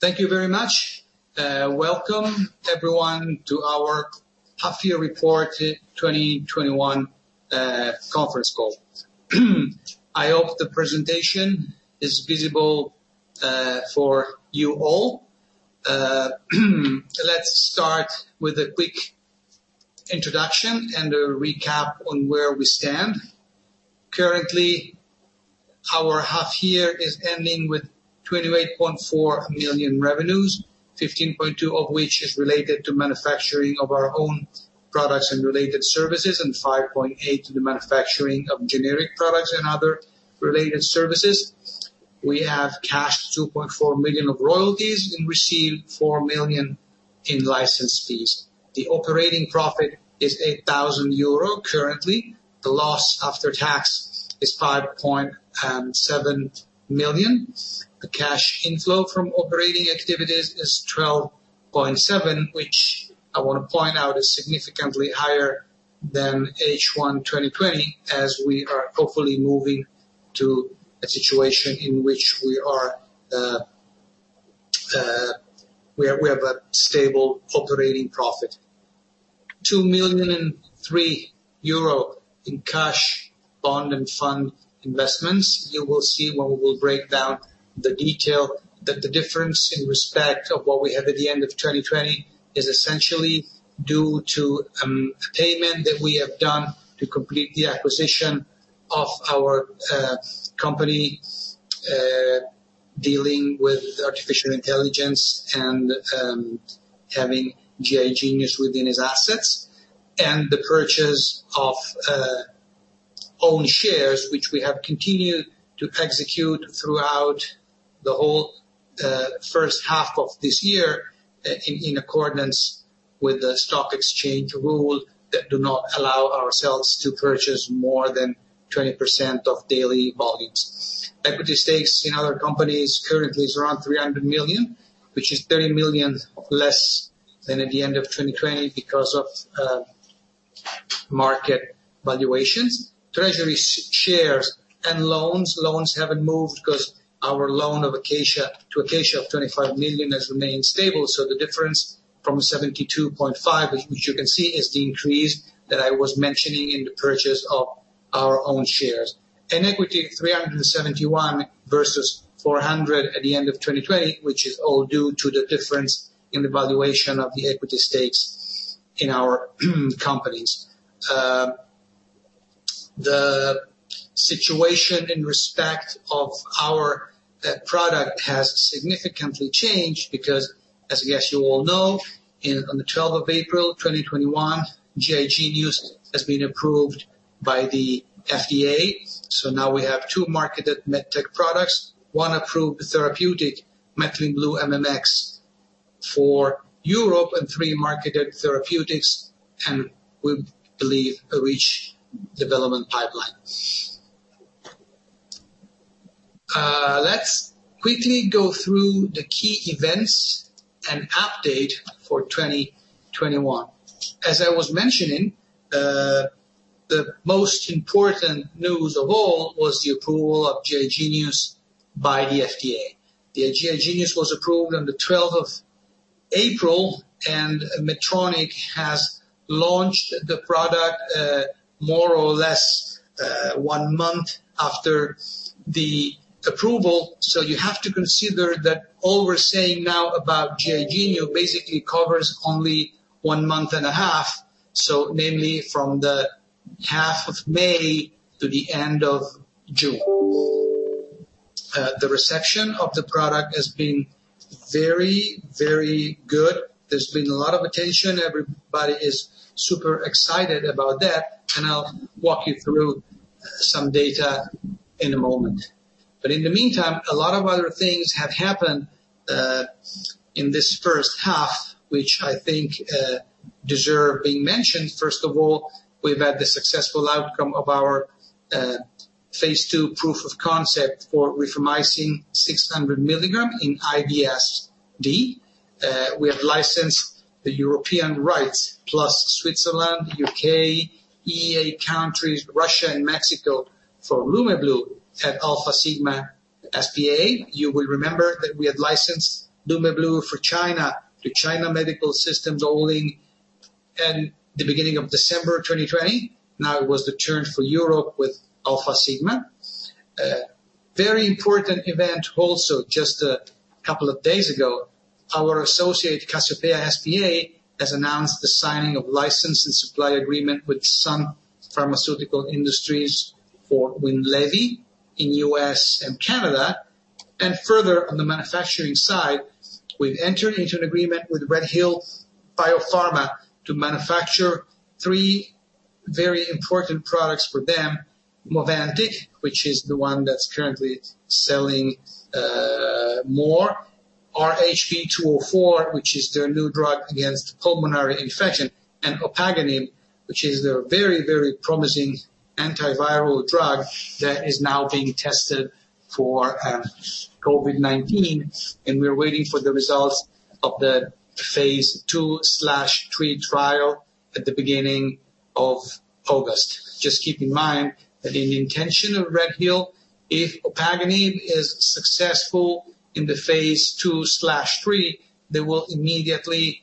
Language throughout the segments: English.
Thank you very much. Welcome, everyone, to our half-year report 2021 conference call. I hope the presentation is visible for you all. Let's start with a quick introduction and a recap on where we stand. Currently, our half year is ending with 28.4 million revenues, 15.2 million of which is related to manufacturing of our own products and related services, and 5.8 million to the manufacturing of generic products and other related services. We have cashed 2.4 million of royalties and received 4 million in license fees. The operating profit is 8,000 euro currently. The loss after tax is 5.7 million. The cash inflow from operating activities is 12.7 million, which I want to point out, is significantly higher than H1 2020, as we are hopefully moving to a situation in which we have a stable operating profit. 2.3 million in cash bond and fund investments. You will see when we will break down the detail that the difference in respect of what we have at the end of 2020 is essentially due to a payment that we have done to complete the acquisition of our company, dealing with artificial intelligence and having GI Genius within its assets. The purchase of own shares, which we have continued to execute throughout the whole first half of this year in accordance with the stock exchange rule that do not allow ourselves to purchase more than 20% of daily volumes. Equity stakes in other companies currently is around 300 million, which is 30 million less than at the end of 2020 because of market valuations. Treasury shares and loans. Loans haven't moved because our loan to Acacia of 25 million has remained stable. The difference from 72.5, which you can see, is the increase that I was mentioning in the purchase of our own shares. In equity 371 versus 400 at the end of 2020, which is all due to the difference in the valuation of the equity stakes in our companies. The situation in respect of our product has significantly changed because, as I guess you all know, on the 12th April 2021, GI Genius has been approved by the FDA. Now we have two marketed MedTech products, one approved therapeutic Methylene Blue MMX for Europe, and three marketed therapeutics, and we believe, a rich development pipeline. Let's quickly go through the key events and update for 2021. As I was mentioning, the most important news of all was the approval of GI Genius by the FDA. The GI Genius was approved on the 12th of April, and Medtronic has launched the product more or less one month after the approval. You have to consider that all we're saying now about GI Genius basically covers only one month and a half. Namely from the half of May to the end of June. The reception of the product has been very good. There's been a lot of attention. Everybody is super excited about that, and I'll walk you through some data in a moment. In the meantime, a lot of other things have happened in this first half, which I think deserve being mentioned. First of all, we've had the successful outcome of our phase II proof of concept for rifamycin 600 mg in IBS-D. We have licensed the European rights plus Switzerland, U.K., EEA countries, Russia and Mexico for Lumeblue at Alfasigma S.p.A. You will remember that we had licensed Lumeblue for China to China Medical System Holding in the beginning of December 2020. It was the turn for Europe with Alfasigma. A very important event also, just a couple of days ago, our associate, Cassiopea S.p.A., has announced the signing of license and supply agreement with Sun Pharmaceutical Industries for Winlevi in U.S. and Canada. Further, on the manufacturing side, we've entered into an agreement with RedHill Biopharma to manufacture three very important products for them. Movantik, which is the one that's currently selling more. RHB-204, which is their new drug against pulmonary infection, and opaganib, which is their very promising antiviral drug that is now being tested for COVID-19. We're waiting for the results of the phase II/III trial at the beginning of August. Just keep in mind that in the intention of RedHill, if opaganib is successful in the phase II/III, they will immediately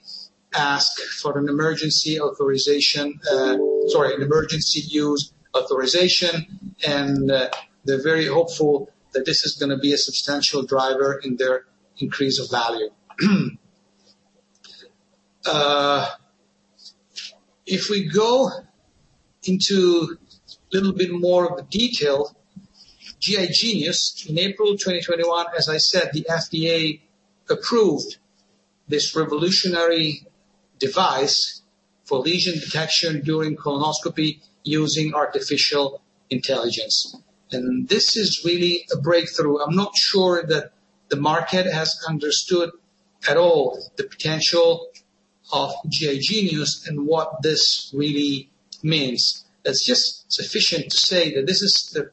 ask for an emergency use authorization, and they're very hopeful that this is going to be a substantial driver in their increase of value. If we go into a little bit more of the detail, GI Genius in April 2021, as I said, the FDA approved this revolutionary device for lesion detection during colonoscopy using Artificial Intelligence. This is really a breakthrough. I'm not sure that the market has understood at all the potential of GI Genius and what this really means. It's just sufficient to say that this is the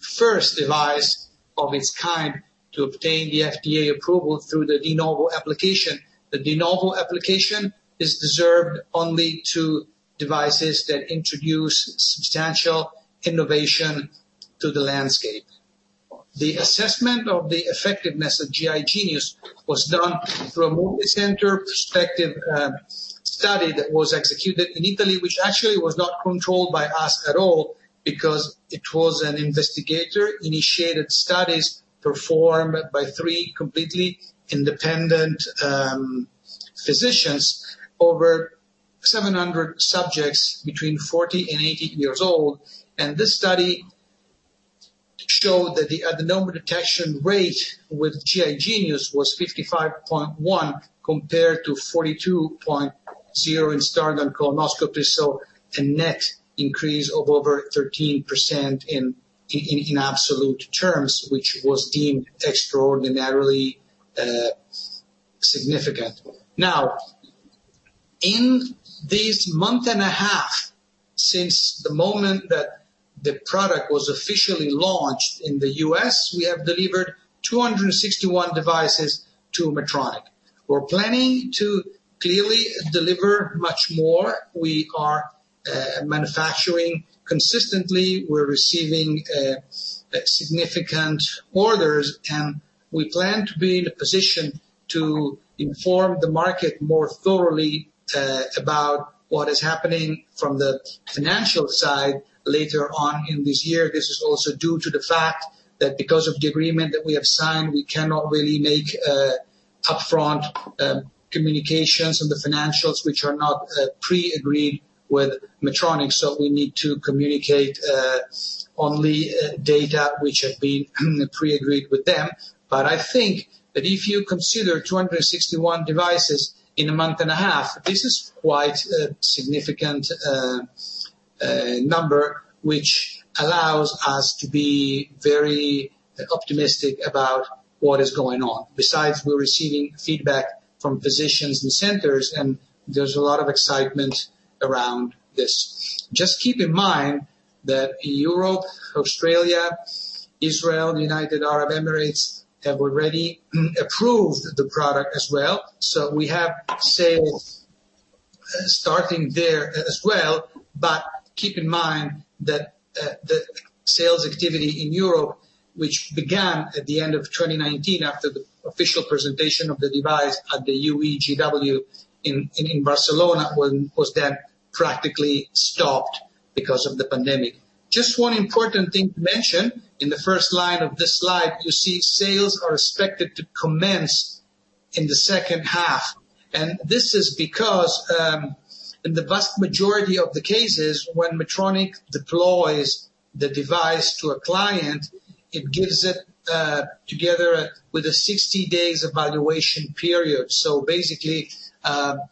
first device of its kind to obtain the FDA approval through the De Novo application. The De Novo application is reserved only to devices that introduce substantial innovation to the landscape. The assessment of the effectiveness of GI Genius was done through a multicenter prospective study that was executed in Italy, which actually was not controlled by us at all because it was an investigator-initiated studies performed by three completely independent physicians over 700 subjects between 40 and 80 years old. This study showed that the adenoma detection rate with GI Genius was 55.1 compared to 42.0 in standard colonoscopy. A net increase of over 13% in absolute terms, which was deemed extraordinarily significant. Now, in this month and a half since the moment that the product was officially launched in the U.S., we have delivered 261 devices to Medtronic. We're planning to clearly deliver much more. We are manufacturing consistently. We're receiving significant orders, and we plan to be in a position to inform the market more thoroughly about what is happening from the financial side later on in this year. This is also due to the fact that because of the agreement that we have signed, we cannot really make upfront communications on the financials, which are not pre-agreed with Medtronic. We need to communicate only data which have been pre-agreed with them. I think that if you consider 261 devices in a month and a half, this is quite a significant number, which allows us to be very optimistic about what is going on. Besides, we're receiving feedback from physicians and centers, and there's a lot of excitement around this. Just keep in mind that Europe, Australia, Israel, United Arab Emirates have already approved the product as well. We have sales starting there as well. Keep in mind that the sales activity in Europe, which began at the end of 2019 after the official presentation of the device at the UEGW in Barcelona, was then practically stopped because of the pandemic. Just one important thing to mention, in the first line of this slide, you see sales are expected to commence in the second half. This is because, in the vast majority of the cases, when Medtronic deploys the device to a client, it gives it together with a 60-days evaluation period. Basically,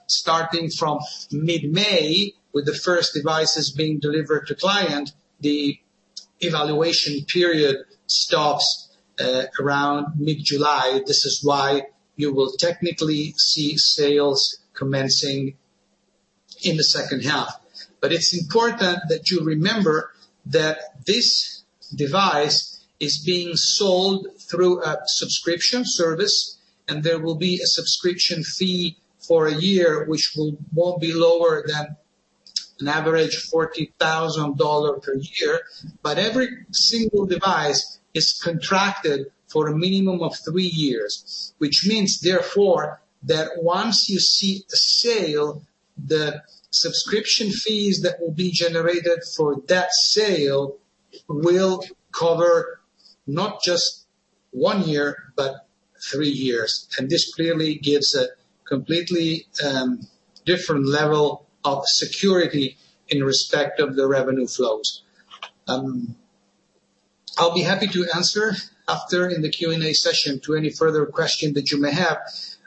starting from mid-May, with the first devices being delivered to client, the evaluation period stops around mid-July. This is why you will technically see sales commencing in the second half. It's important that you remember that this device is being sold through a subscription service, and there will be a subscription fee for a year, which won't be lower than an average $40,000 per year. Every single device is contracted for a minimum of three years. Which means, therefore, that once you see a sale, the subscription fees that will be generated for that sale will cover not just one year, but three years. This clearly gives a completely different level of security in respect of the revenue flows. I'll be happy to answer after in the Q&A session to any further question that you may have,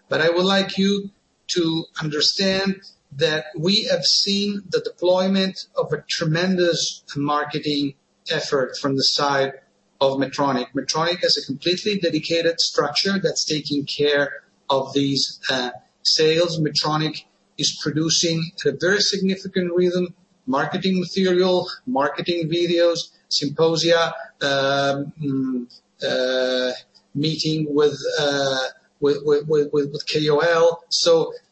but I would like you to understand that we have seen the deployment of a tremendous marketing effort from the side of Medtronic. Medtronic has a completely dedicated structure that's taking care of these sales. Medtronic is producing at a very significant rhythm, marketing material, marketing videos, symposia, Meeting with KOL.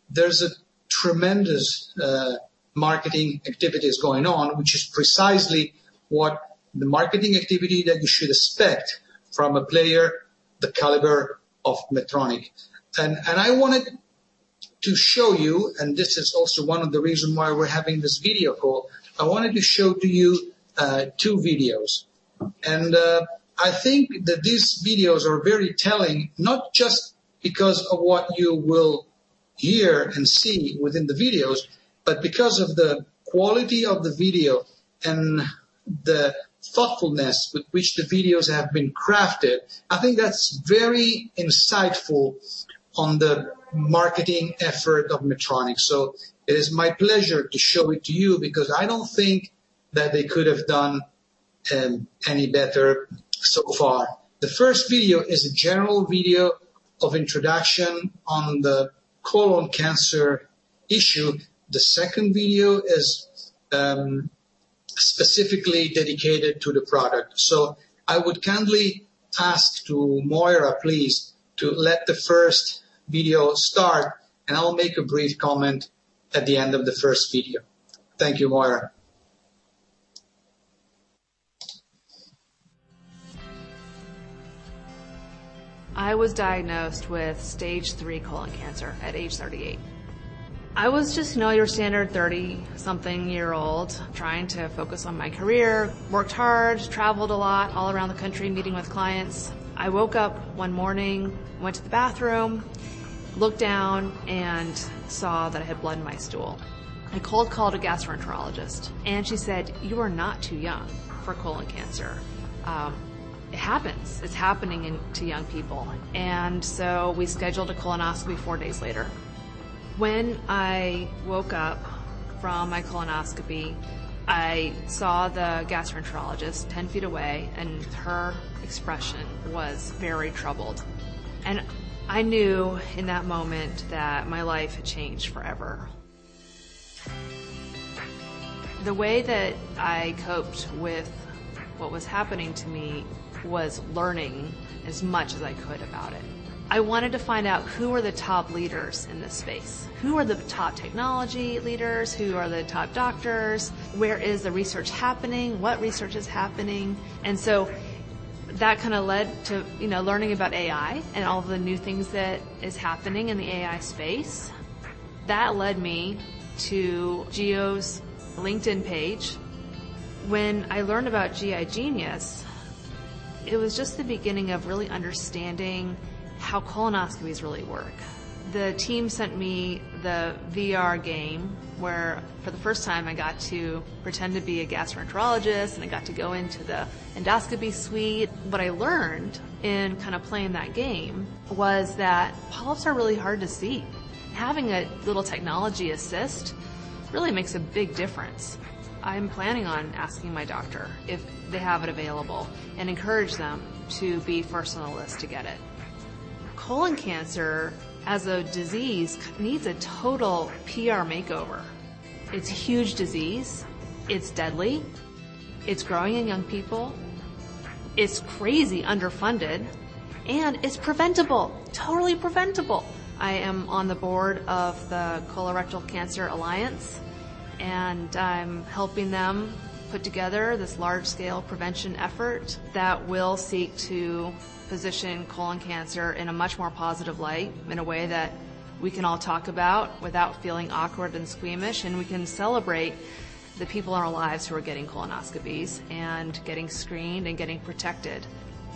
There's a tremendous marketing activities going on, which is precisely what the marketing activity that you should expect from a player the caliber of Medtronic. I wanted to show you, and this is also one of the reasons why we're having this video call. I wanted to show to you two videos. I think that these videos are very telling, not just because of what you will hear and see within the videos, but because of the quality of the video and the thoughtfulness with which the videos have been crafted. I think that's very insightful on the marketing effort of Medtronic. It is my pleasure to show it to you because I don't think that they could have done any better so far. The first video is a general video of introduction on the colon cancer issue. The second video is specifically dedicated to the product. I would kindly task to Moira, please, to let the first video start, and I'll make a brief comment at the end of the first video. Thank you, Moira. I was diagnosed with stage three colon cancer at age 38. I was just your standard 30-something-year-old trying to focus on my career. Worked hard, traveled a lot all around the country, meeting with clients. I woke up one morning, went to the bathroom, looked down, and saw that I had blood in my stool. I cold called a gastroenterologist. She said, "You are not too young for colon cancer. It happens. It's happening to young people." We scheduled a colonoscopy four days later. When I woke up from my colonoscopy, I saw the gastroenterologist 10 feet away, and her expression was very troubled. I knew in that moment that my life had changed forever. The way that I coped with what was happening to me was learning as much as I could about it. I wanted to find out who are the top leaders in this space. Who are the top technology leaders? Who are the top doctors? Where is the research happening? What research is happening? That led to learning about AI and all of the new things that is happening in the AI space. That led me to Gio's LinkedIn page. When I learned about GI Genius, it was just the beginning of really understanding how colonoscopies really work. The team sent me the VR game, where for the first time, I got to pretend to be a gastroenterologist, and I got to go into the endoscopy suite. What I learned in playing that game was that polyps are really hard to see. Having a little technology assist really makes a big difference. I'm planning on asking my doctor if they have it available and encourage them to be first on the list to get it. Colon cancer as a disease needs a total PR makeover. It's a huge disease. It's deadly. It's growing in young people. It's crazy underfunded, and it's preventable. Totally preventable. I am on the board of the Colorectal Cancer Alliance, and I'm helping them put together this large-scale prevention effort that will seek to position colon cancer in a much more positive light, in a way that we can all talk about without feeling awkward and squeamish, and we can celebrate the people in our lives who are getting colonoscopies and getting screened and getting protected.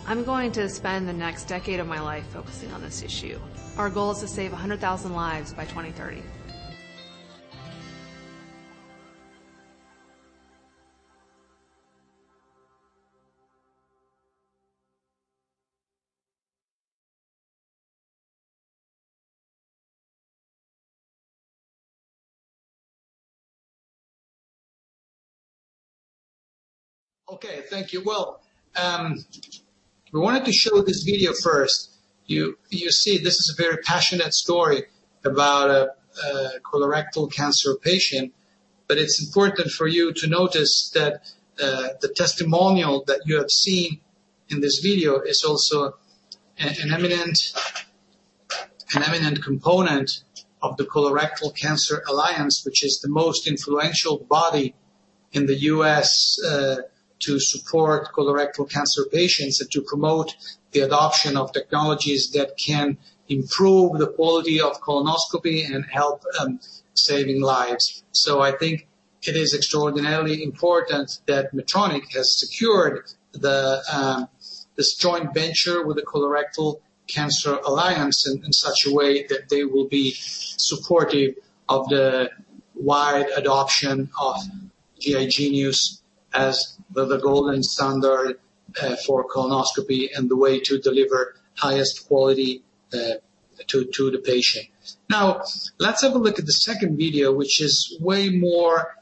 I'm going to spend the next decade of my life focusing on this issue. Our goal is to save 100,000 lives by 2030. Okay. Thank you. Well, we wanted to show this video first. You see, this is a very passionate story about a colorectal cancer patient, but it's important for you to notice that the testimonial that you have seen in this video is also an eminent component of the Colorectal Cancer Alliance, which is the most influential body in the U.S. to support colorectal cancer patients and to promote the adoption of technologies that can improve the quality of colonoscopy and help saving lives. I think it is extraordinarily important that Medtronic has secured this joint venture with the Colorectal Cancer Alliance in such a way that they will be supportive of the wide adoption of GI Genius as the golden standard for colonoscopy and the way to deliver highest quality to the patient. Let's have a look at the second video, which is way more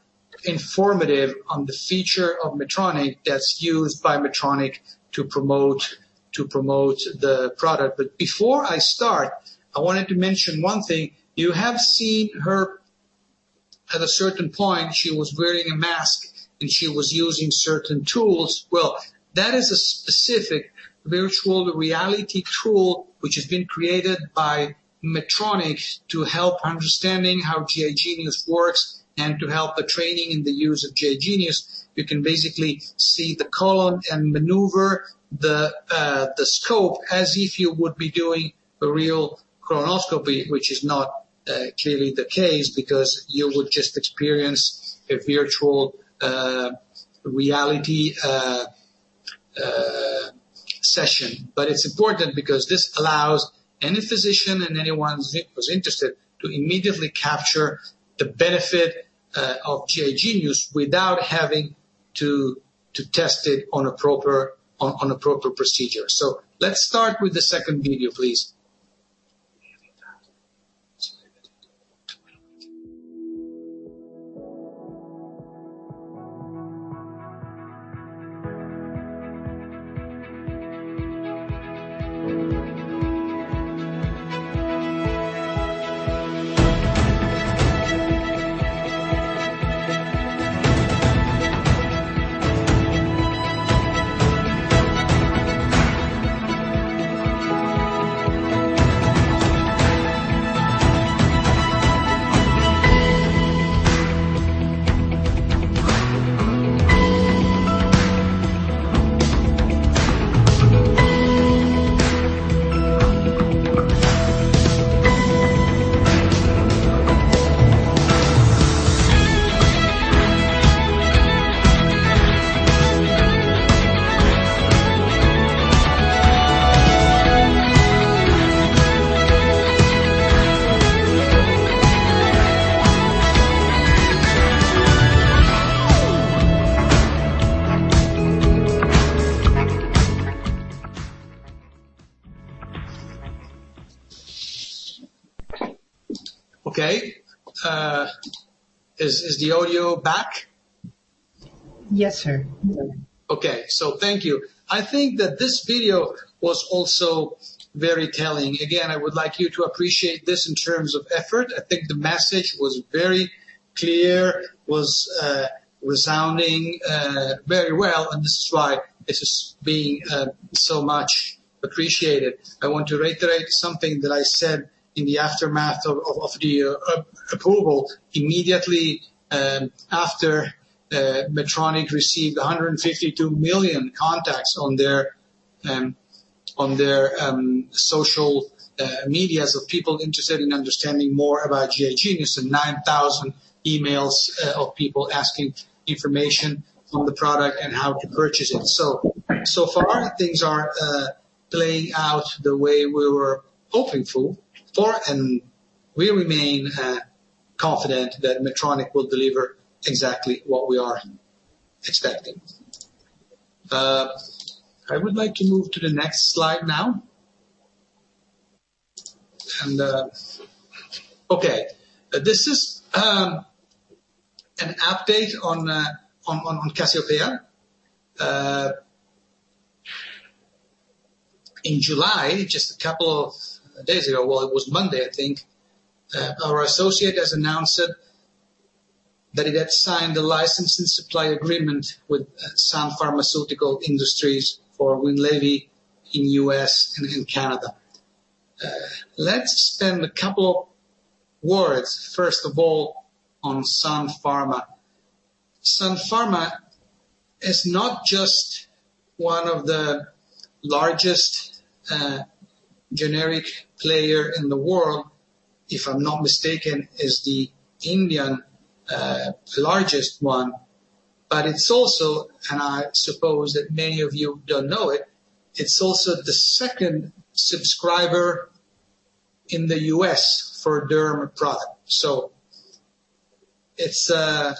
informative on the feature of Medtronic that's used by Medtronic to promote the product. Before I start, I wanted to mention one thing. At a certain point, she was wearing a mask and she was using certain tools. Well, that is a specific virtual reality tool, which has been created by Medtronic to help understanding how GI Genius works and to help the training in the use of GI Genius. You can basically see the colon and maneuver the scope as if you would be doing a real colonoscopy, which is not clearly the case, because you would just experience a virtual reality session. It's important because this allows any physician and anyone who's interested to immediately capture the benefit of GI Genius without having to test it on a proper procedure. Let's start with the second video, please. Okay. Is the audio back? Yes, sir. Okay. Thank you. I think that this video was also very telling. Again, I would like you to appreciate this in terms of effort. I think the message was very clear, was resounding very well, and this is why this is being so much appreciated. I want to reiterate something that I said in the aftermath of the approval. Immediately after Medtronic received 152 million contacts on their social medias of people interested in understanding more about GI Genius and 9,000 emails of people asking for information on the product and how to purchase it. So far, things are playing out the way we were hoping for, and we remain confident that Medtronic will deliver exactly what we are expecting. I would like to move to the next slide now. Okay. This is an update on Cassiopea. In July, just a couple of days ago, well, it was Monday, I think our associate has announced that it had signed a license and supply agreement with Sun Pharmaceutical Industries for Winlevi in U.S. and in Canada. Let's spend a couple words, first of all, on Sun Pharma. Sun Pharma is not just one of the largest generic player in the world, if I'm not mistaken, is the Indian largest one. It's also, and I suppose that many of you don't know it's also the second subscriber in the U.S. for a derm product. It's a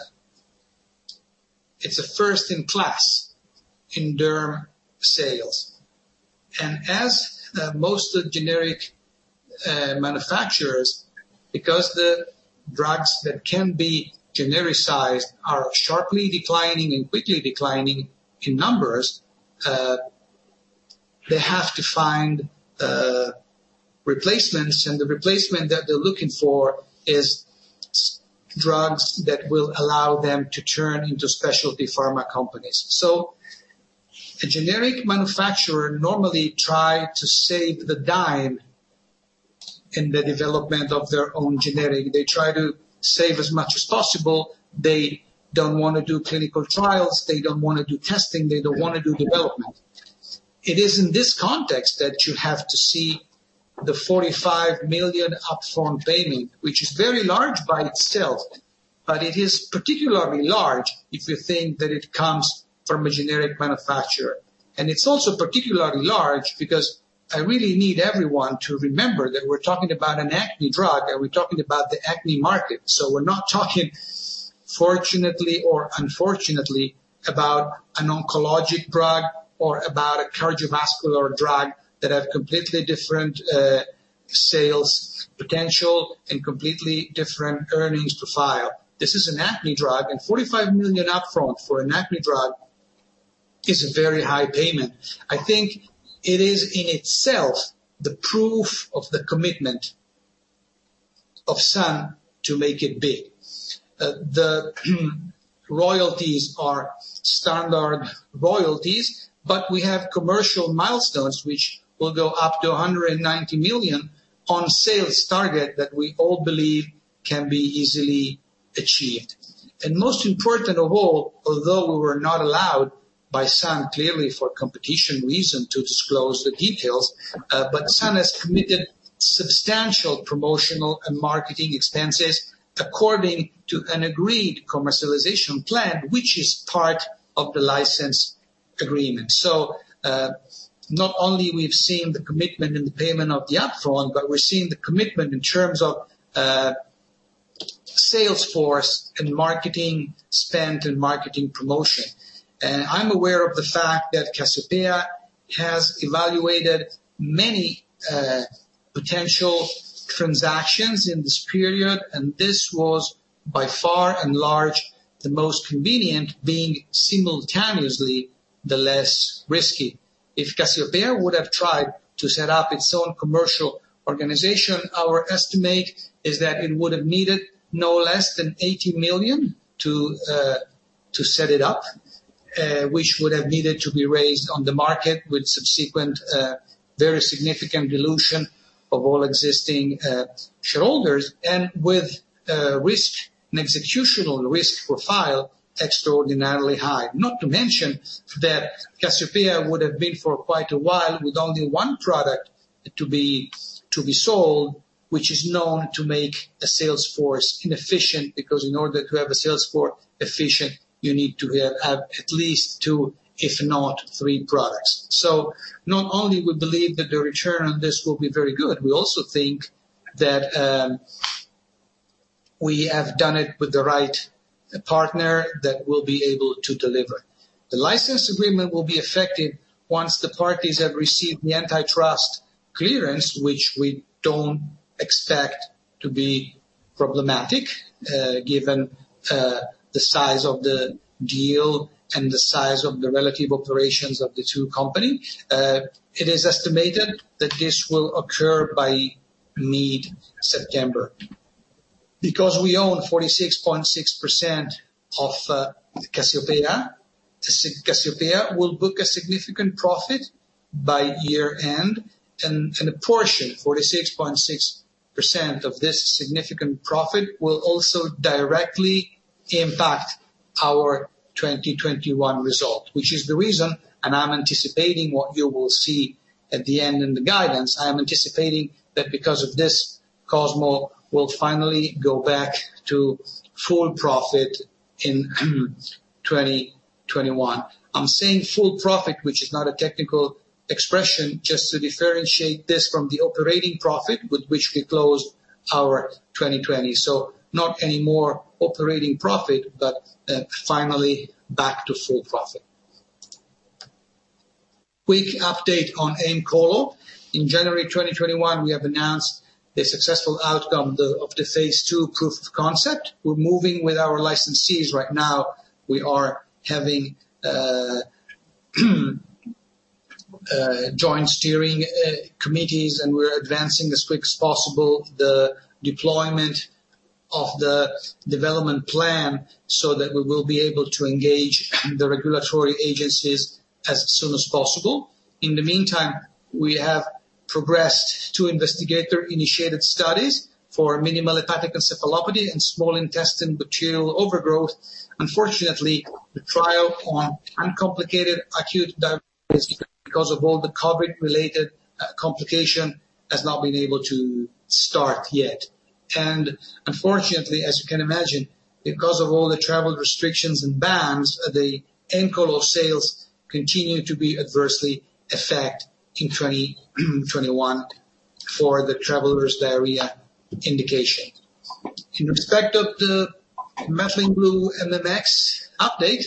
first in class in derm sales. As most generic manufacturers, because the drugs that can be genericized are sharply declining and quickly declining in numbers, they have to find replacements, and the replacement that they're looking for is drugs that will allow them to turn into specialty pharma companies. A generic manufacturer normally try to save the dime in the development of their own generic. They try to save as much as possible. They don't want to do clinical trials. They don't want to do testing. They don't want to do development. It is in this context that you have to see the 45 million upfront payment, which is very large by itself, but it is particularly large if you think that it comes from a generic manufacturer. It's also particularly large because I really need everyone to remember that we're talking about an acne drug, and we're talking about the acne market. We're not talking, fortunately or unfortunately, about an oncologic drug or about a cardiovascular drug that have completely different sales potential and completely different earnings profile. This is an acne drug, and 45 million upfront for an acne drug. It's a very high payment. I think it is in itself, the proof of the commitment of Sun to make it big. The royalties are standard royalties, but we have commercial milestones, which will go up to 190 million on sales target that we all believe can be easily achieved. Most important of all, although we were not allowed by Sun, clearly for competition reason, to disclose the details, but Sun has committed substantial promotional and marketing expenses according to an agreed commercialization plan, which is part of the license agreement. Not only we've seen the commitment and the payment of the upfront, but we're seeing the commitment in terms of sales force and marketing spend and marketing promotion. I'm aware of the fact that Cassiopea has evaluated many potential transactions in this period, and this was by far and large, the most convenient being simultaneously the less risky. If Cassiopea would have tried to set up its own commercial organization, our estimate is that it would have needed no less than 80 million to set it up, which would have needed to be raised on the market with subsequent, very significant dilution of all existing shareholders, and with risk and executional risk profile extraordinarily high. Not to mention that Cassiopea would have been for quite a while with only one product to be sold, which is known to make a sales force inefficient. In order to have a sales force efficient, you need to have at least two, if not three products. Not only we believe that the return on this will be very good, we also think that we have done it with the right partner that will be able to deliver. The license agreement will be effective once the parties have received the antitrust clearance, which we don't expect to be problematic, given the size of the deal and the size of the relative operations of the two company. It is estimated that this will occur by mid-September. Because we own 46.6% of Cassiopea will book a significant profit by year-end. A portion, 46.6% of this significant profit, will also directly impact our 2021 result. Which is the reason, and I'm anticipating what you will see at the end in the guidance. I am anticipating that because of this, Cosmo will finally go back to full profit in 2021. I'm saying full profit, which is not a technical expression, just to differentiate this from the operating profit with which we closed our 2020. Not anymore operating profit, but finally back to full profit. Quick update on Aemcolo. In January 2021, we have announced the successful outcome of the phase II proof of concept. We're moving with our licensees right now. We are having joint steering committees, and we're advancing as quick as possible the deployment of the development plan so that we will be able to engage the regulatory agencies as soon as possible. In the meantime, we have progressed to investigator-initiated studies for minimal hepatic encephalopathy and small intestine bacterial overgrowth. Unfortunately, the trial on uncomplicated acute diarrhea, because of all the COVID-related complication, has not been able to start yet. Unfortunately, as you can imagine, because of all the travel restrictions and bans, the Aemcolo sales continue to be adversely affect in 2021 for the traveler's diarrhea indication. In respect of the Methylene Blue MMX update.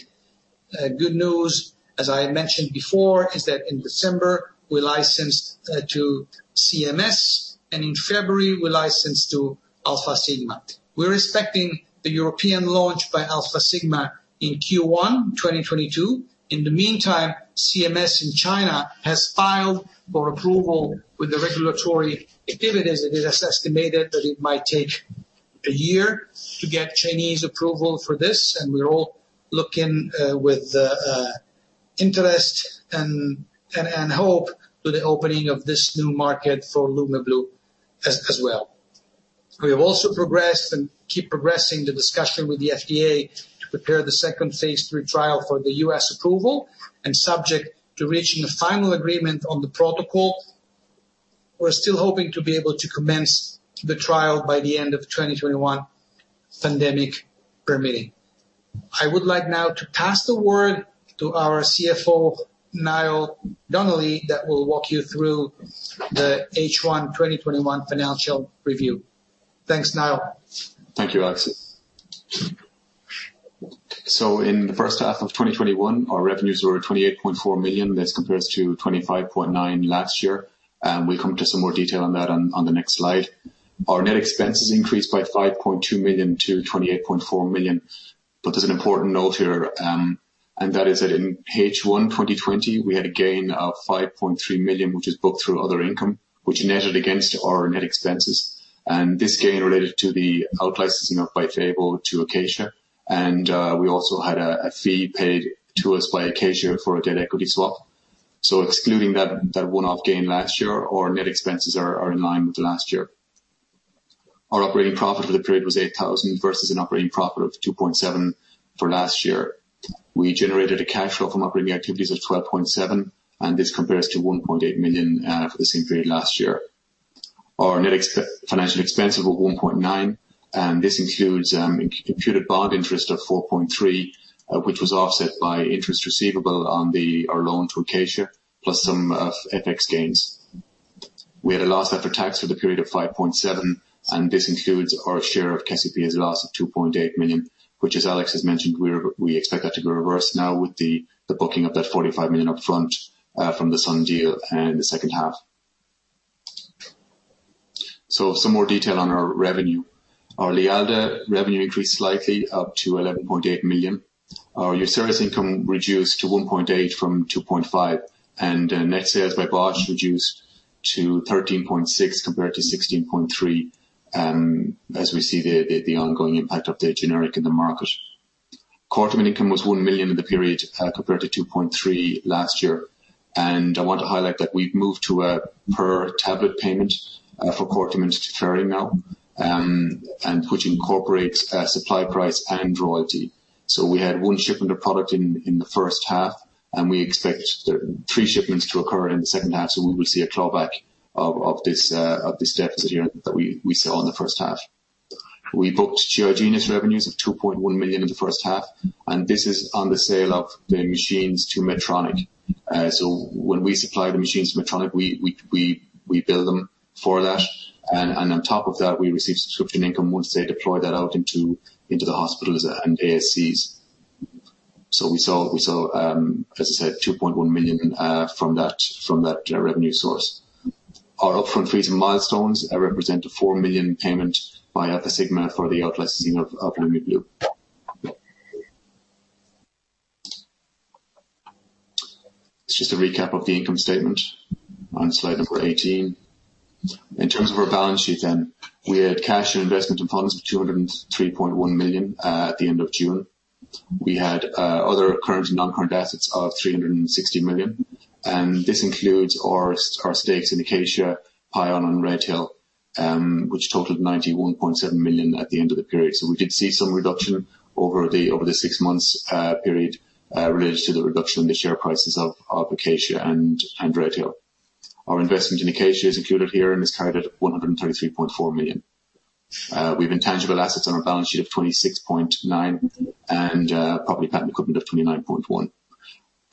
Good news, as I mentioned before, is that in December, we licensed to CMS, and in February we licensed to Alfasigma. We're expecting the European launch by Alfasigma in Q1 2022. In the meantime, CMS in China has filed for approval with the regulatory authorities. It is estimated that it might take a year to get Chinese approval for this, and we're all looking with interest and hope to the opening of this new market for Lumeblue as well. We have also progressed and keep progressing the discussion with the FDA to prepare the second phase III trial for the U.S. approval, and subject to reaching a final agreement on the protocol. We're still hoping to be able to commence the trial by the end of 2021, pandemic permitting. I would like now to pass the word to our CFO, Niall Donnelly, that will walk you through the H1 2021 financial review. Thanks, Niall. Thank you, Alessandro Della Chà. In H1 2021, our revenues were 28.4 million. This compares to 25.9 million last year. We'll come to some more detail on that on the next slide. Our net expenses increased by 5.2 million-28.4 million. There's an important note here, and that is that in H1 2020, we had a gain of 5.3 million, which is booked through other income, which netted against our net expenses, and this gain related to the out-licensing of Byfavo to Acacia. We also had a fee paid to us by Acacia for a debt equity swap. Excluding that one-off gain last year, our net expenses are in line with last year. Our operating profit for the period was 8,000 versus an operating profit of 2.7 million for last year. We generated a cash flow from operating activities of 12.7, and this compares to 1.8 million for the same period last year. Our net financial expense of 1.9, and this includes computed bond interest of 4.3, which was offset by interest receivable on our loan to Acacia, plus some FX gains. We had a loss after tax for the period of 5.7, and this includes our share of Cassiopea's loss of 2.8 million, which, as Alex has mentioned, we expect that to go reverse now with the booking of that 45 million upfront from the Sun deal in the second half. Some more detail on our revenue. Our Lialda revenue increased slightly up to 11.8 million. Our Uceris income reduced to 1.8 from 2.5, and net sales by Bausch reduced to 13.6 compared to 16.3, as we see the ongoing impact of their generic in the market. Cortiment income was 1 million in the period, compared to 2.3 million last year. I want to highlight that we've moved to a per-tablet payment for Cortiment to carry now, which incorporates supply price and royalty. We had one shipment of product in the first half, and we expect three shipments to occur in the second half, so we will see a clawback of this deficit here that we saw in the first half. We booked GI Genius revenues of 2.1 million in the first half, and this is on the sale of the machines to Medtronic. When we supply the machines to Medtronic, we bill them for that, and on top of that, we receive subscription income once they deploy that out into the hospitals and ASCs. We saw, as I said, 2.1 million from that revenue source. Our upfront fees and milestones represent a 4 million payment by Acacia Pharma for the out-licensing of Lumeblue. Just a recap of the income statement on slide number 18. In terms of our balance sheet then, we had cash and investment in funds of 203.1 million at the end of June. We had other current and non-current assets of 360 million, and this includes our stakes in Acacia Pharma, PAION, and RedHill Biopharma, which totaled 91.7 million at the end of the period. We did see some reduction over the six months period related to the reduction in the share prices of Acacia Pharma and RedHill Biopharma. Our investment in Acacia Pharma is included here and is carried at 133.4 million. We've intangible assets on our balance sheet of 26.9 and property, plant and equipment of 29.1.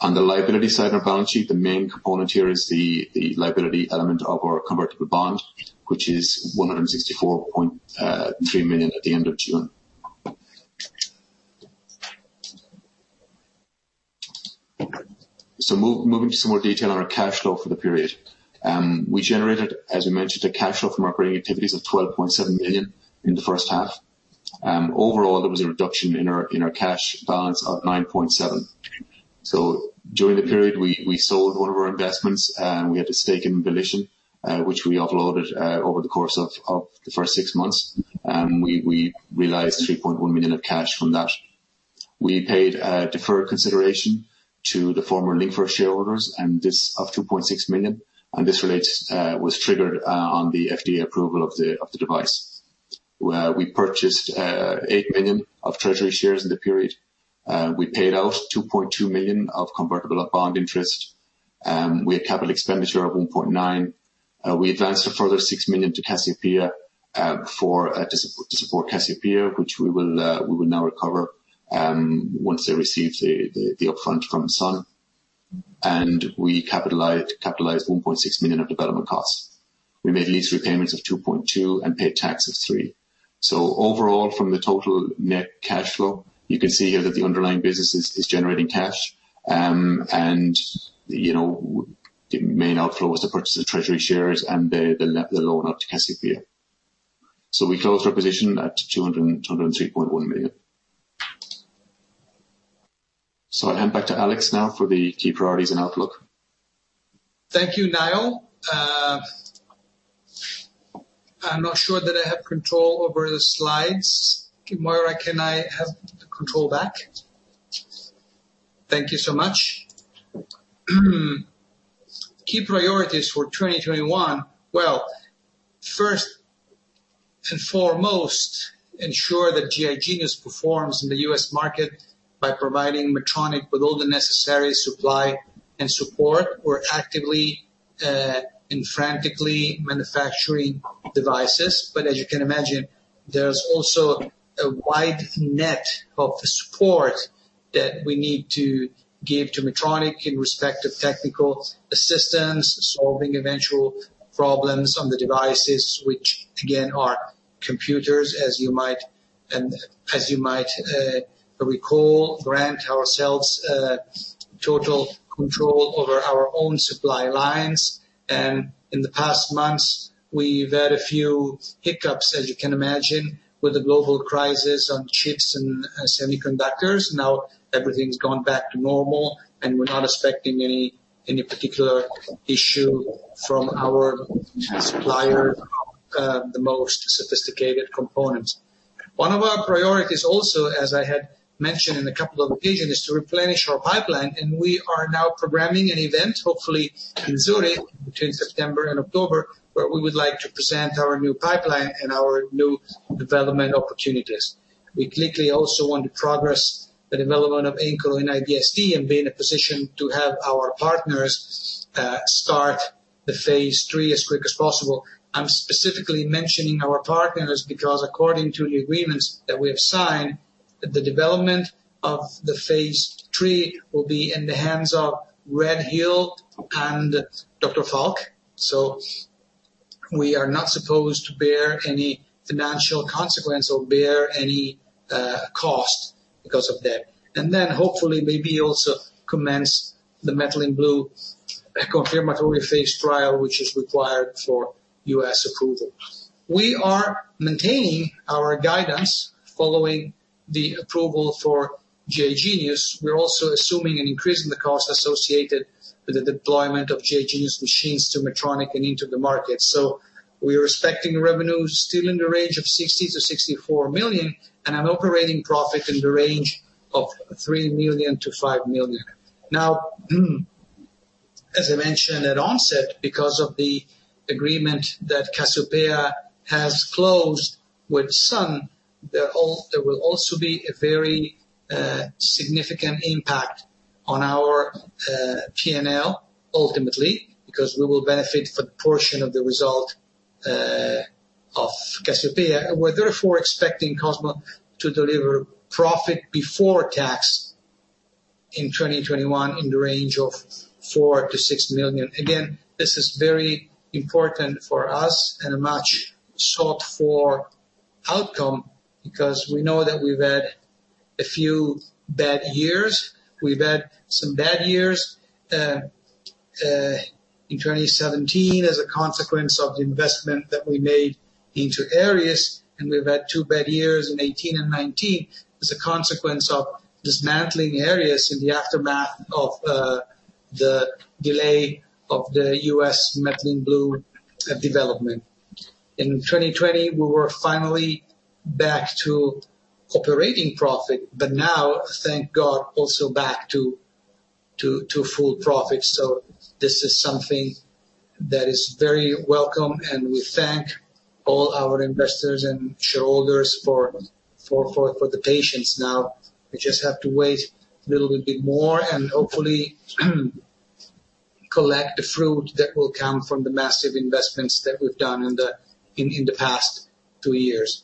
On the liability side of our balance sheet, the main component here is the liability element of our convertible bond, which is 164.3 million at the end of June. Moving to some more detail on our cash flow for the period. We generated, as we mentioned, a cash flow from operating activities of 12.7 million in the first half, and overall, there was a reduction in our cash balance of 9.7 million. During the period, we sold one of our investments. We had a stake in VolitionRx, which we offloaded over the course of the first six months, and we realized 3.1 million of cash from that. We paid a deferred consideration to the former Linkverse shareholders and this of 2.6 million, and this relates, was triggered, on the FDA approval of the device. We purchased 8 million of treasury shares in the period. We paid out 2.2 million of convertible bond interest, we had capital expenditure of 1.9 million. We advanced a further 6 million to Cassiopea to support Cassiopea, which we will now recover once they receive the upfront from Sun. We capitalized 1.6 million of development costs. We made lease repayments of 2.2 million and paid taxes of 3 million. Overall, from the total net cash flow, you can see here that the underlying business is generating cash. The main outflow was the purchase of treasury shares and the loan up to Cassiopea. We closed our position at 203.1 million. I'll hand back to Alex now for the key priorities and outlook. Thank you, Niall. I'm not sure that I have control over the slides. Moira, can I have the control back? Thank you so much. Key priorities for 2021. Well, first and foremost, ensure that GI Genius performs in the U.S. market by providing Medtronic with all the necessary supply and support. We're actively and frantically manufacturing devices, but as you can imagine, there's also a wide net of the support that we need to give to Medtronic in respect of technical assistance, solving eventual problems on the devices, which again, are computers, as you might recall, grant ourselves total control over our own supply lines. In the past months, we've had a few hiccups, as you can imagine, with the global crisis on chips and semiconductors. Now everything's gone back to normal, and we're not expecting any particular issue from our supplier, the most sophisticated components. One of our priorities also, as I had mentioned in a couple of occasions, is to replenish our pipeline. We are now programming an event, hopefully in Zurich between September and October, where we would like to present our new pipeline and our new development opportunities. We clearly also want to progress the development of INCOG and IBS-D and be in a position to have our partners start the phase III as quick as possible. I'm specifically mentioning our partners because according to the agreements that we have signed, the development of the phase III will be in the hands of RedHill and Dr. Falk. We are not supposed to bear any financial consequence or bear any cost because of that. Hopefully maybe also commence the Methylene Blue confirmatory phase trial, which is required for U.S. approval. We are maintaining our guidance following the approval for GI Genius. We're also assuming an increase in the cost associated with the deployment of GI Genius machines to Medtronic and into the market. We're expecting revenues still in the range of 60 million-64 million, and an operating profit in the range of 3 million-5 million. As I mentioned at onset, because of the agreement that Cassiopeia has closed with Sun, there will also be a very significant impact on our P&L ultimately, because we will benefit a portion of the result of Cassiopeia. We're therefore expecting Cosmo to deliver profit before tax in 2021 in the range of 4 million-6 million. This is very important for us and a much sought for outcome because we know that we've had a few bad years. We've had some bad years, in 2017 as a consequence of the investment that we made into Aries Pharmaceuticals, and we've had two bad years in 2018 and 2019 as a consequence of dismantling Aries Pharmaceuticals in the aftermath of the delay of the U.S. Methylene Blue development. In 2020, we were finally back to operating profit, but now, thank God, also back to full profit. This is something that is very welcome, and we thank all our investors and shareholders for the patience. Now we just have to wait a little bit more and hopefully collect the fruit that will come from the massive investments that we've done in the past two years.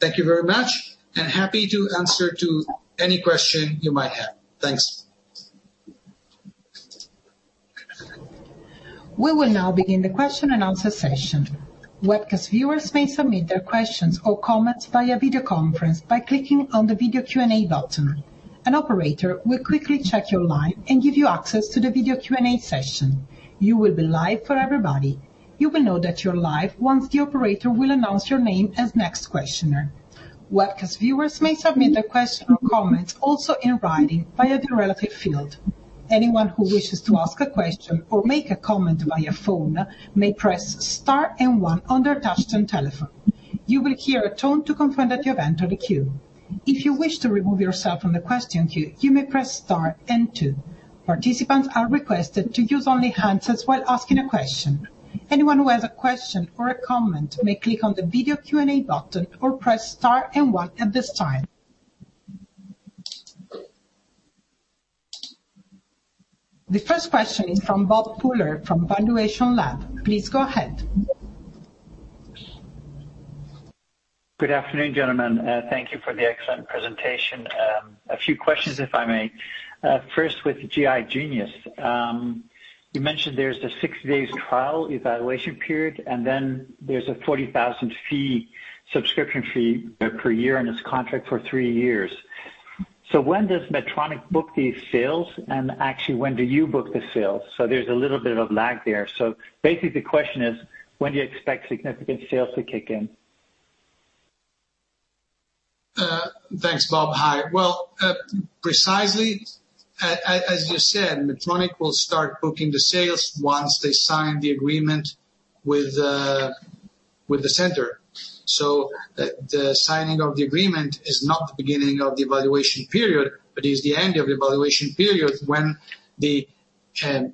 Thank you very much, and happy to answer to any question you might have. Thanks. We will now begin the question and answer session. Webcast viewers may submit their questions or comments via video conference by clicking on the video Q&A button. An operator will quickly check your line and give you access to the video Q&A session. You will be live for everybody. You will know that you're live once the operator will announce your name as next questioner. Webcast viewers may submit their question or comments also in writing via the relative field. Anyone who wishes to ask a question or make a comment via phone may press star one on their touch-tone telephone. You will hear a tone to confirm that you have entered a queue. If you wish to remove yourself from the question queue, you may press star two. Participants are requested to use only handsets while asking a question. Anyone who has a question or a comment may click on the video Q&A button or press star and one at this time. The first question is from Bob Pooler from valuationLAB. Please go ahead. Good afternoon, gentlemen. Thank you for the excellent presentation. A few questions, if I may. First, with GI Genius. You mentioned there's the six days trial evaluation period, and then there's a $40,000 fee, subscription fee per year, and it's contract for three years. When does Medtronic book these sales? Actually, when do you book the sales? There's a little bit of lag there. Basically, the question is, when do you expect significant sales to kick in? Thanks, Bob. Hi. Well, precisely as you said, Medtronic will start booking the sales once they sign the agreement with the center. The signing of the agreement is not the beginning of the evaluation period, but is the end of the evaluation period when the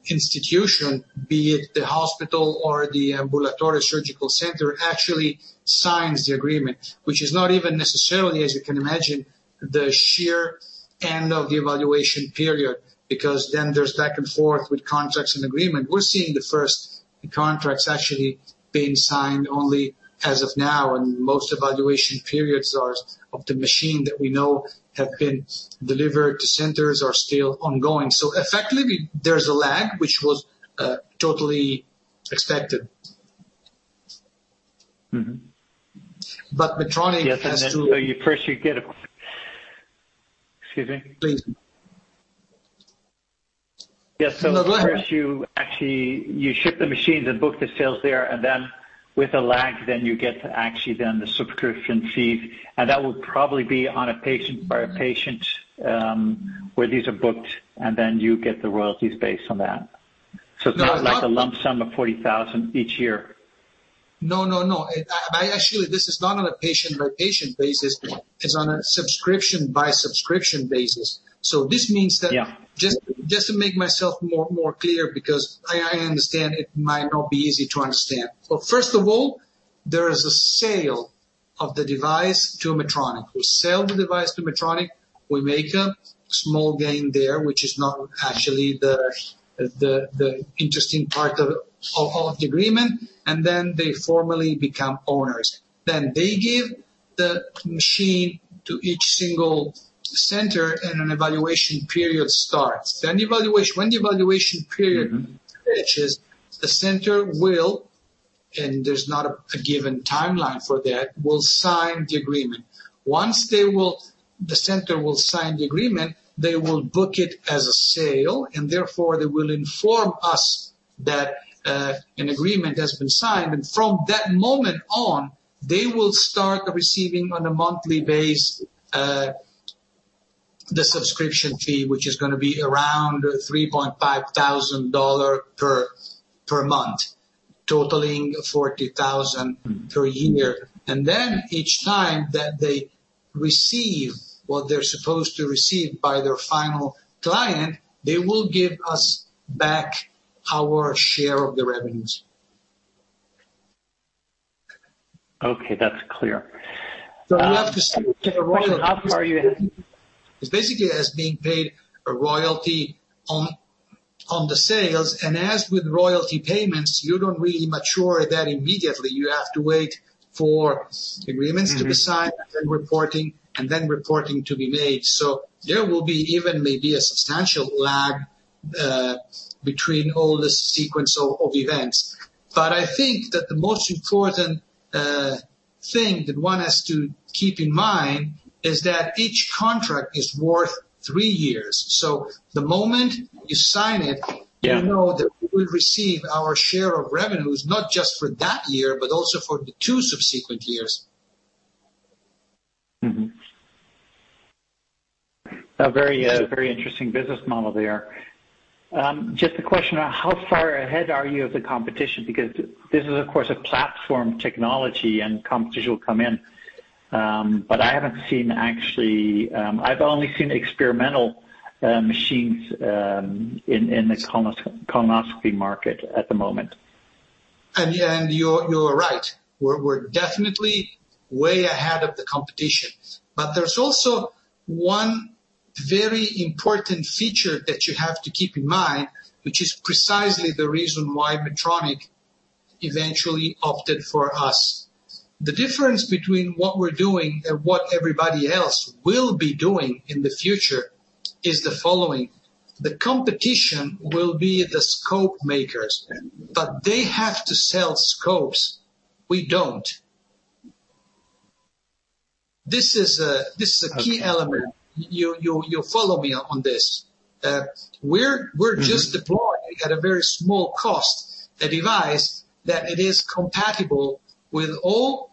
institution, be it the hospital or the ambulatory surgical center, actually signs the agreement. Which is not even necessarily, as you can imagine, the sheer end of the evaluation period, because then there's back and forth with contracts and agreement. We're seeing the first contracts actually being signed only as of now, and most evaluation periods of the machine that we know have been delivered to centers are still ongoing. Effectively, there's a lag, which was totally expected. But Medtronic has to. Excuse me. Please. Yeah. No, go ahead. First you ship the machines and book the sales there, and then with a lag, then you get actually then the subscription fee. That would probably be on a patient-by-patient, where these are booked, and then you get the royalties based on that. No. It's not like a lump sum of $40,000 each year. No. Actually, this is not on a patient-by-patient basis. It's on a subscription-by-subscription basis. Yeah. Just to make myself more clear, because I understand it might not be easy to understand. First of all, there is a sale of the device to Medtronic. We sell the device to Medtronic, we make a small gain there, which is not actually the interesting part of the agreement, then they formally become owners. They give the machine to each single center, an evaluation period starts. Finishes, the center will, and there's not a given timeline for that, will sign the agreement. Once the center will sign the agreement, they will book it as a sale. Therefore, they will inform us that an agreement has been signed. From that moment on, they will start receiving on a monthly basis the subscription fee, which is going to be around $3,500 per month, totaling $40,000 per year. Each time that they receive what they are supposed to receive by their final client, they will give us back our share of the revenues. Okay. That's clear. We have to see. Question, how far? It's basically as being paid a royalty on the sales. As with royalty payments, you don't really mature that immediately. You have to wait for agreements to be signed, and then reporting to be made. There will be even maybe a substantial lag between all the sequence of events. I think that the most important thing that one has to keep in mind is that each contract is worth three years. The moment you sign it. Yeah you know that we'll receive our share of revenues not just for that year, but also for the two subsequent years. A very interesting business model there. Just a question on how far ahead are you of the competition? This is of course a platform technology and competition will come in. I haven't seen actually I've only seen experimental machines in the colonoscopy market at the moment. You're right. We're definitely way ahead of the competition. There's also one very important feature that you have to keep in mind, which is precisely the reason why Medtronic eventually opted for us. The difference between what we're doing and what everybody else will be doing in the future is the following: the competition will be the scope makers. They have to sell scopes. We don't. This is a key element. You follow me on this. We're just deploying, at a very small cost, a device that it is compatible with all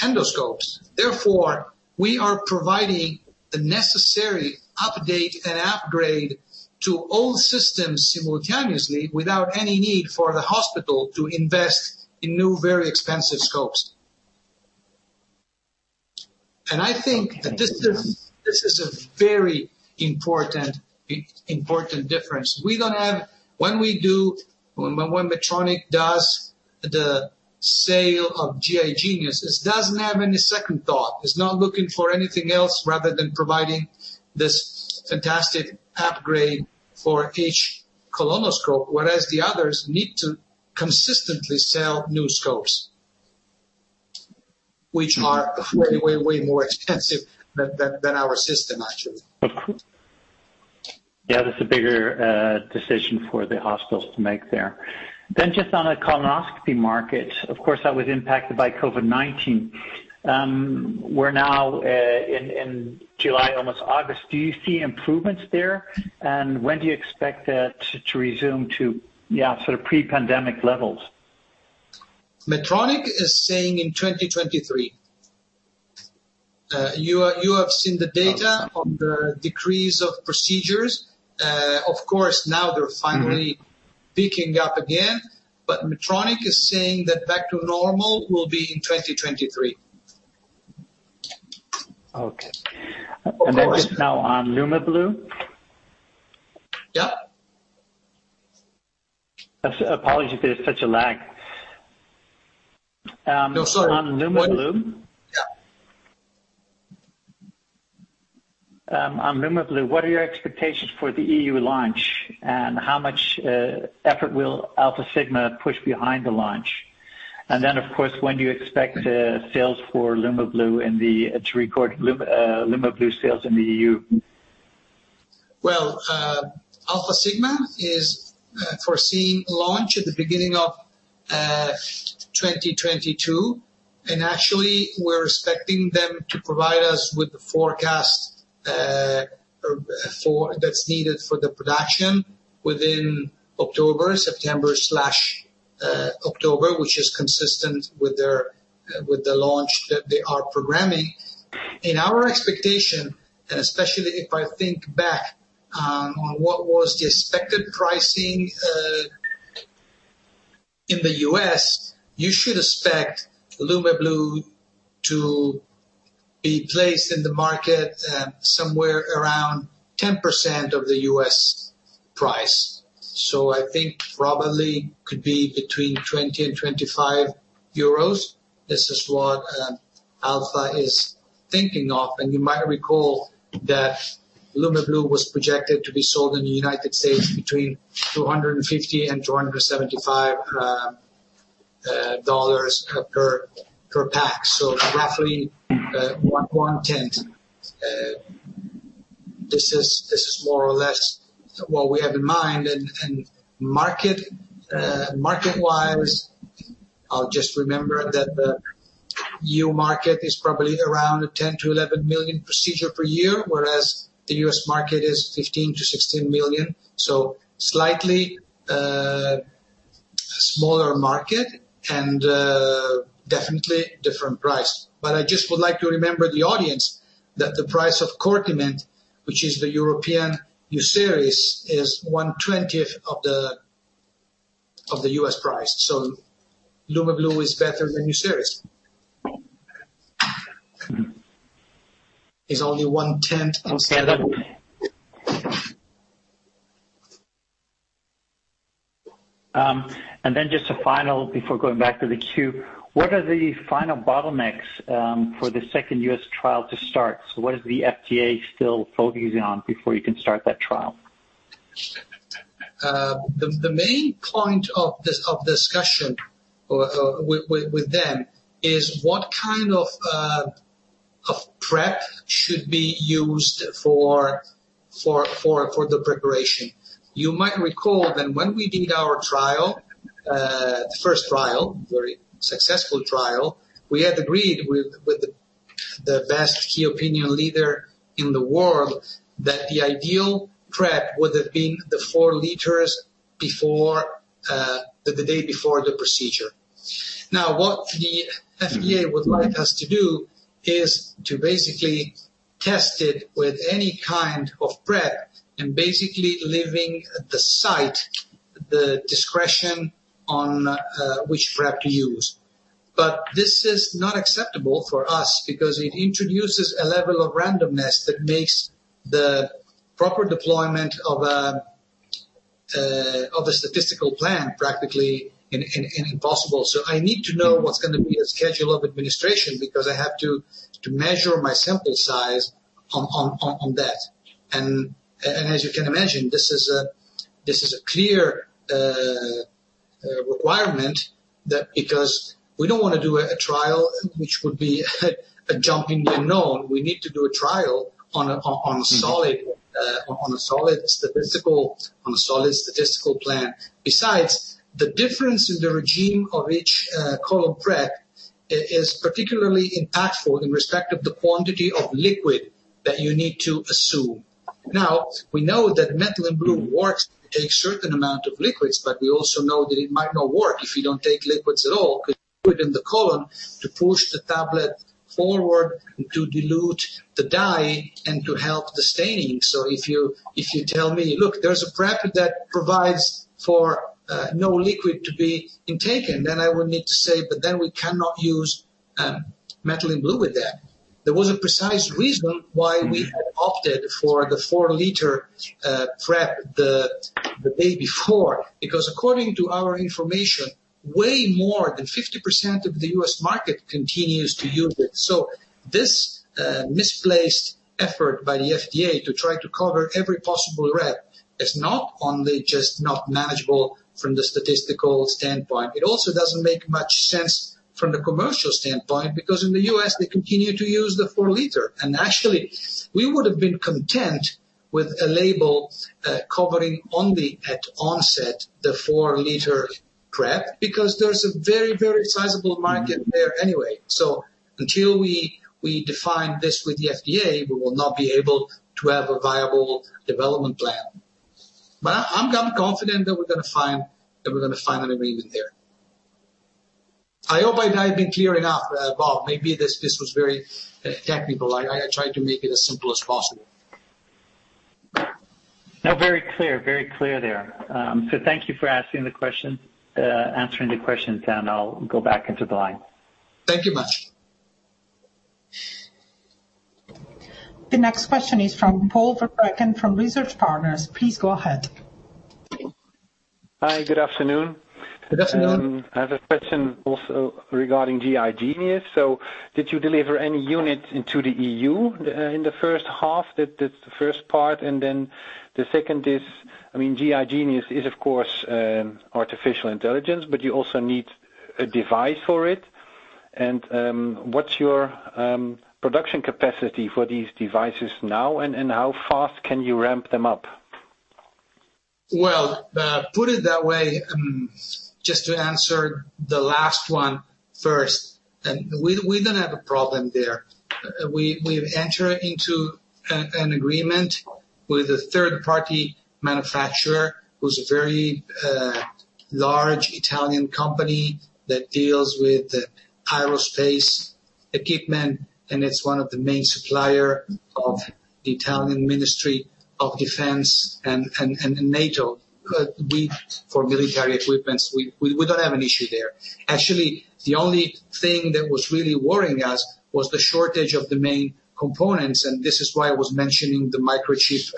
endoscopes. Therefore, we are providing the necessary update and upgrade to all systems simultaneously, without any need for the hospital to invest in new, very expensive scopes. I think that this is a very important difference. When Medtronic does the sale of GI Genius, it doesn't have any second thought. It's not looking for anything else rather than providing this fantastic upgrade for each colonoscope, whereas the others need to consistently sell new scopes, which are way more expensive than our system, actually. Of course. Yeah, that's a bigger decision for the hospitals to make there. Just on the colonoscopy market, of course, that was impacted by COVID-19. We're now in July, almost August. Do you see improvements there? When do you expect that to resume to sort of pre-pandemic levels? Medtronic is saying in 2023. You have seen the data on the decrease of procedures. Of course, now they're finally picking up again. Medtronic is saying that back to normal will be in 2023. Okay. Of course. Just now on Lumeblue. Yeah. Apologies, there's such a lag. No, sorry. On Lumeblue. Yeah. On Lumeblue, what are your expectations for the EU launch, and how much effort will Alfasigma push behind the launch? Of course, when do you expect to record Lumeblue sales in the EU? Well, Alfasigma is foreseeing launch at the beginning of 2022, actually, we're expecting them to provide us with the forecast that's needed for the production within September/October, which is consistent with the launch that they are programming. In our expectation, especially if I think back on what was the expected pricing, in the U.S., you should expect Lumeblue to be placed in the market somewhere around 10% of the U.S. price. I think probably could be between 20-25 euros. This is what Alfasigma is thinking of. You might recall that Lumeblue was projected to be sold in the United States between $250-$275 per pack. Roughly 1/10. This is more or less what we have in mind. Market-wise, I'll just remember that the EU market is probably around 10 million-11 million procedures per year, whereas the U.S. market is 15 million-16 million. Slightly, smaller market and definitely different price. I just would like to remember the audience that the price of Cortiment, which is the European Uceris, is 1/20 of the U.S. price. Lumeblue is better than Uceris. Understandable. Just a final before going back to the queue. What are the final bottlenecks for the second U.S. trial to start? What is the FDA still focusing on before you can start that trial? The main point of discussion with them is what kind of prep should be used for the preparation. You might recall that when we did our trial, the first trial, very successful trial, we had agreed with the best key opinion leader in the world that the ideal prep would have been the four liters the day before the procedure. What the FDA would like us to do is to basically test it with any kind of prep and basically leaving the site the discretion on which prep to use. This is not acceptable for us because it introduces a level of randomness that makes the proper deployment of a statistical plan practically impossible. I need to know what's going to be a schedule of administration because I have to measure my sample size on that. As you can imagine, this is a clear requirement because we don't want to do a trial which would be a jump in the unknown. We need to do a trial on a solid statistical plan. Besides, the difference in the regime of each colon prep is particularly impactful in respect of the quantity of liquid that you need to assume. We know that Methylene Blue works to take certain amount of liquids, but we also know that it might not work if you don't take liquids at all, because liquid in the colon to push the tablet forward to dilute the dye and to help the staining. If you tell me, "Look, there's a prep that provides for no liquid to be intaken," then I would need to say, but then we cannot use Methylene Blue with that. There was a precise reason why we had opted for the 4 L prep the day before, because according to our information, way more than 50% of the U.S. market continues to use it. This misplaced effort by the FDA to try to cover every possible rep is not only just not manageable from the statistical standpoint, it also doesn't make much sense from the commercial standpoint because in the U.S. they continue to use the 4 L. Actually we would've been content with a label covering only at onset the 4 L prep because there's a very, very sizable market there anyway. Until we define this with the FDA, we will not be able to have a viable development plan. I'm confident that we're going to find an agreement there. I hope I have been clear enough, Bob. Maybe this was very technical. I tried to make it as simple as possible. No, very clear there. Thank you for answering the questions, and I'll go back into the line. Thank you much. The next question is from Paul Verbraeken from Research Partners. Please go ahead. Hi, good afternoon. Good afternoon. I have a question also regarding GI Genius. Did you deliver any units into the EU in the first half? That's the first part. The second is, GI Genius is of course Artificial Intelligence, but you also need a device for it. What's your production capacity for these devices now, and how fast can you ramp them up? Well, put it that way, just to answer the last one first. We don't have a problem there. We've entered into an agreement with a third-party manufacturer who's a very large Italian company that deals with aerospace equipment, and it's one of the main supplier of the Italian Ministry of Defence and NATO. For military equipment, we don't have an issue there. Actually, the only thing that was really worrying us was the shortage of the main components, and this is why I was mentioning the microchip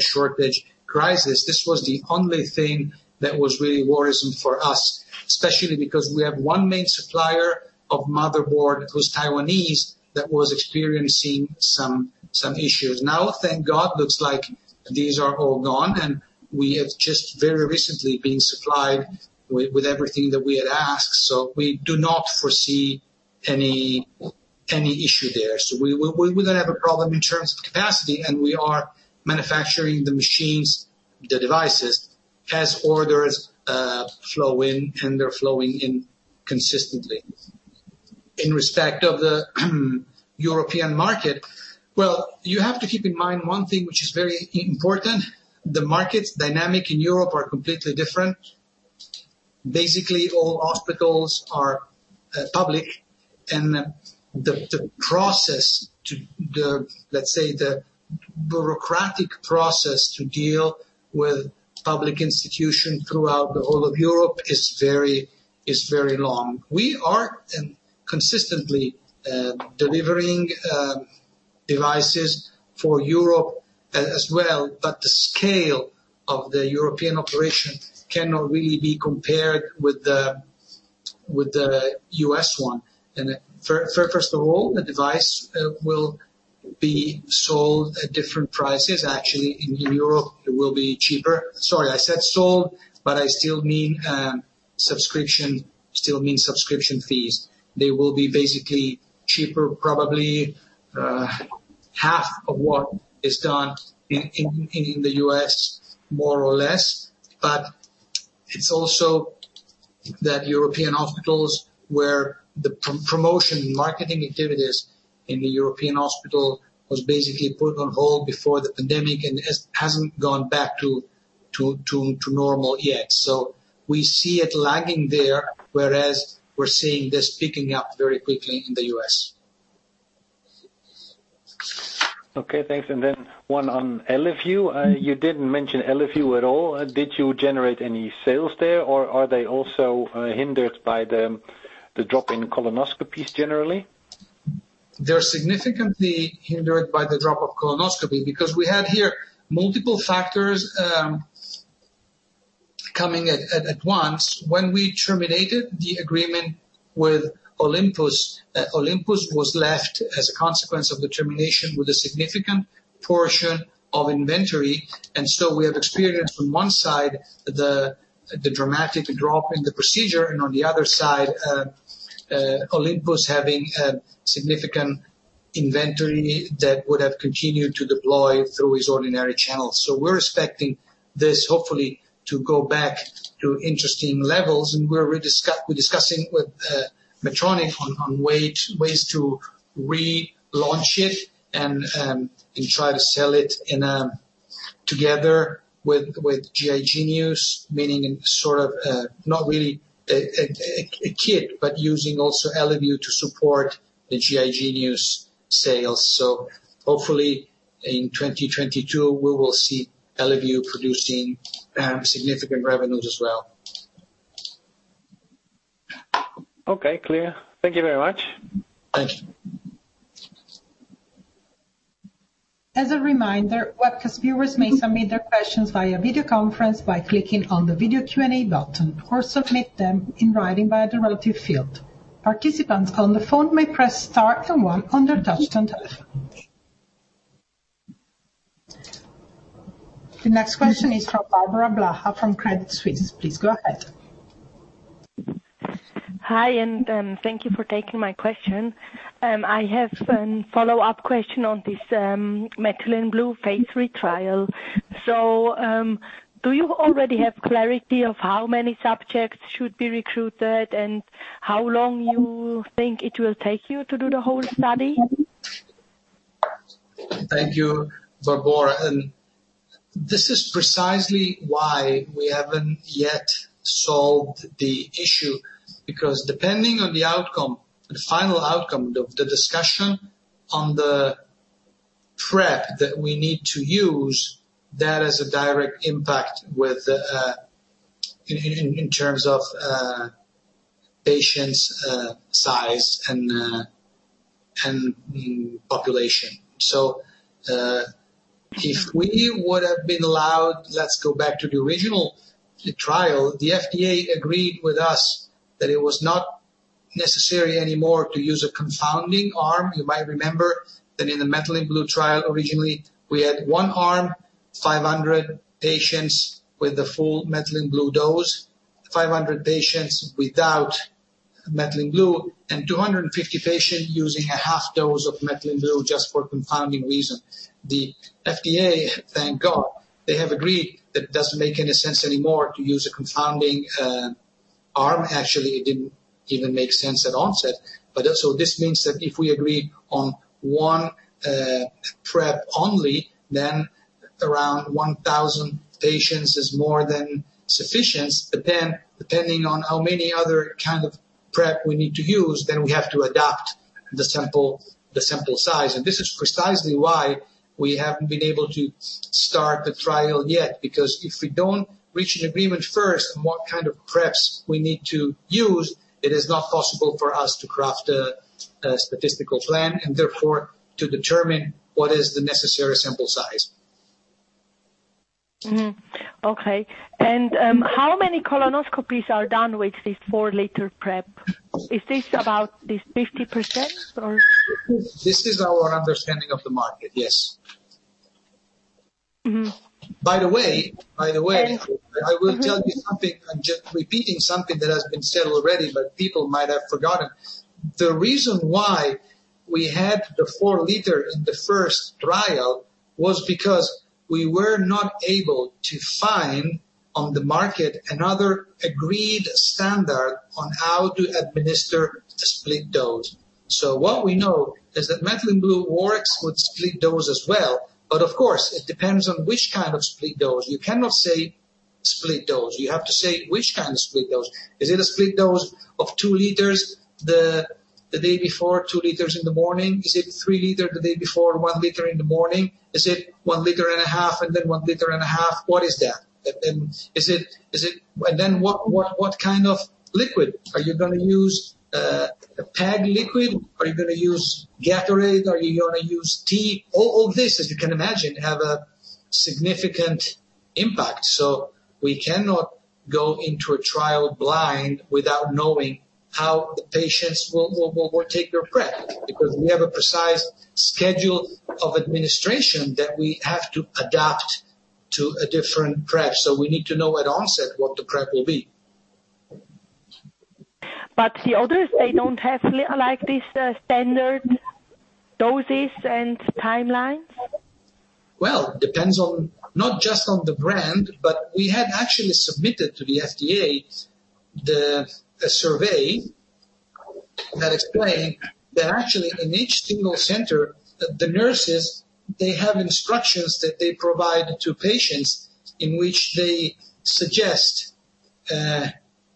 shortage crisis. This was the only thing that was really worrisome for us, especially because we have one main supplier of motherboard who's Taiwanese that was experiencing some issues. Now, thank God, looks like these are all gone, and we have just very recently been supplied with everything that we had asked, so we do not foresee any issue there. We don't have a problem in terms of capacity, and we are manufacturing the machines, the devices, as orders flow in, and they're flowing in consistently. In respect of the European market, well, you have to keep in mind one thing which is very important. The market dynamic in Europe are completely different. Basically, all hospitals are public, and the process to the, let's say, the bureaucratic process to deal with public institution throughout the whole of Europe is very long. We are consistently delivering devices for Europe as well, but the scale of the European operation cannot really be compared with the U.S. one. First of all, the device will be sold at different prices. Actually, in Europe, it will be cheaper. Sorry, I said sold, but I still mean subscription fees. They will be basically cheaper, probably half of what is done in the U.S., more or less. It's also that European hospitals, where the promotion marketing activities in the European hospital was basically put on hold before the pandemic and hasn't gone back to normal yet. We see it lagging there, whereas we're seeing this picking up very quickly in the U.S. Okay, thanks. One on Eleview. You didn't mention Eleview at all. Did you generate any sales there, or are they also hindered by the drop in colonoscopies generally? They're significantly hindered by the drop of colonoscopy because we had here multiple factors coming at once. When we terminated the agreement with Olympus was left as a consequence of the termination with a significant portion of inventory. We have experienced on one side the dramatic drop in the procedure, and on the other side, Olympus having a significant inventory that would have continued to deploy through its ordinary channels. We're expecting this hopefully to go back to interesting levels, and we're discussing with Medtronic on ways to relaunch it and try to sell it together with GI Genius, meaning in sort of, not really a kit, but using also Eleview to support the GI Genius sales. Hopefully, in 2022, we will see Eleview producing significant revenues as well. Okay, clear. Thank you very much. Thanks. As a reminder, webcast viewers may submit their questions via video conference by clicking on the video Q&A button or submit them in writing via the relative field. Participants on the phone may press star then one on their touch-tone telephone. The next question is from Barbora Blaha from Credit Suisse. Please go ahead. Hi, thank you for taking my question. I have follow-up question on this Methylene Blue phase III trial. Do you already have clarity of how many subjects should be recruited and how long you think it will take you to do the whole study? Thank you, Barbora. This is precisely why we haven't yet solved the issue, because depending on the outcome, the final outcome of the discussion on the prep that we need to use, that has a direct impact in terms of patients' size and population. If we would have been allowed, let's go back to the original trial. The FDA agreed with us that it was not necessary anymore to use a confounding arm. You might remember that in the Methylene Blue trial, originally, we had one arm, 500 patients with the full Methylene Blue dose, 500 patients without Methylene Blue, and 250 patients using a half dose of Methylene Blue just for confounding reason. The FDA, thank God, they have agreed that it doesn't make any sense anymore to use a confounding arm. Actually, it didn't even make sense at onset. Also this means that if we agree on one prep only, then around 1,000 patients is more than sufficient. Depending on how many other kind of prep we need to use, then we have to adapt the sample size. This is precisely why we haven't been able to start the trial yet, because if we don't reach an agreement first on what kind of prep we need to use, it is not possible for us to craft a statistical plan and therefore to determine what is the necessary sample size. Okay. How many colonoscopies are done with this 4 L prep? Is this about this 50% or? This is our understanding of the market, yes. I will tell you something. I am just repeating something that has been said already, but people might have forgotten. The reason why we had the 4 L in the first trial was because we were not able to find on the market another agreed standard on how to administer a split dose. What we know is that Methylene Blue works with split dose as well. Of course, it depends on which kind of split dose. You cannot say split dose. You have to say which kind of split dose. Is it a split dose of 2 L the day before, 2 L in the morning? Is it 3 L the day before, 1 L in the morning? Is it 1.5 L and then 1.5 L? What is that? What kind of liquid? Are you going to use a PEG liquid? Are you going to use Gatorade? Are you going to use tea? All this, as you can imagine, have a significant impact. We cannot go into a trial blind without knowing how the patients will take their prep, because we have a precise schedule of administration that we have to adapt to a different prep. We need to know at onset what the prep will be. The others, they don't have this standard doses and timelines? Well, depends not just on the brand, but we had actually submitted to the FDA the survey that explained that actually in each single center, the nurses, they have instructions that they provide to patients in which they suggest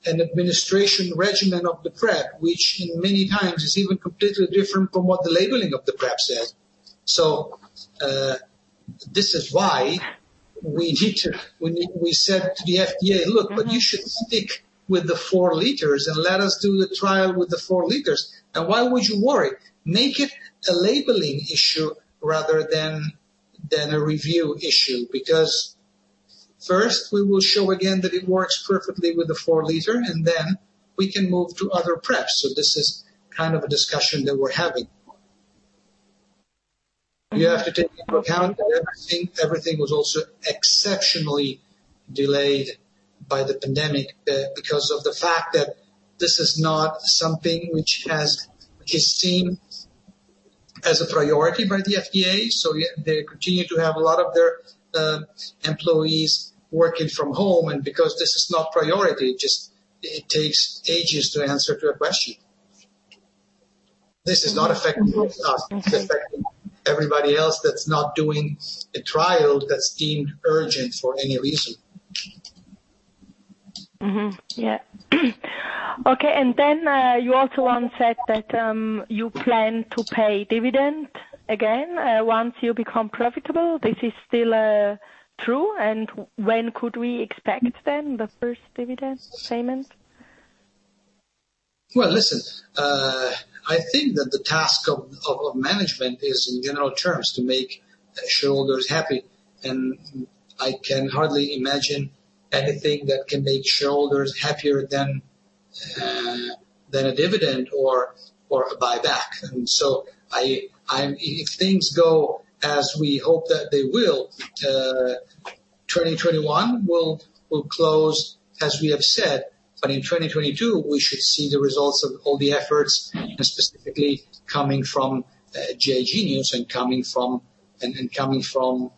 an administration regimen of the prep, which in many times is even completely different from what the labeling of the prep says. This is why we said to the FDA, "Look, but you should stick with the 4 L and let us do the trial with the 4 L. And why would you worry? Make it a labeling issue rather than a review issue." First, we will show again that it works perfectly with the 4 L, and then we can move to other preps. This is kind of a discussion that we're having. You have to take into account that everything was also exceptionally delayed by the pandemic because of the fact that this is not something which is seen as a priority by the FDA. They continue to have a lot of their employees working from home. Because this is not priority, it takes ages to answer to a question. This is not affecting us. It's affecting everybody else that's not doing a trial that's deemed urgent for any reason. Okay, you also once said that you plan to pay dividend again, once you become profitable. This is still true. When could we expect then the first dividend payment? Well, listen. I think that the task of management is, in general terms, to make shareholders happy. I can hardly imagine anything that can make shareholders happier than a dividend or a buyback. If things go as we hope that they will, 2021 will close as we have said. In 2022, we should see the results of all the efforts, and specifically coming from GI Genius and coming from Winlevi.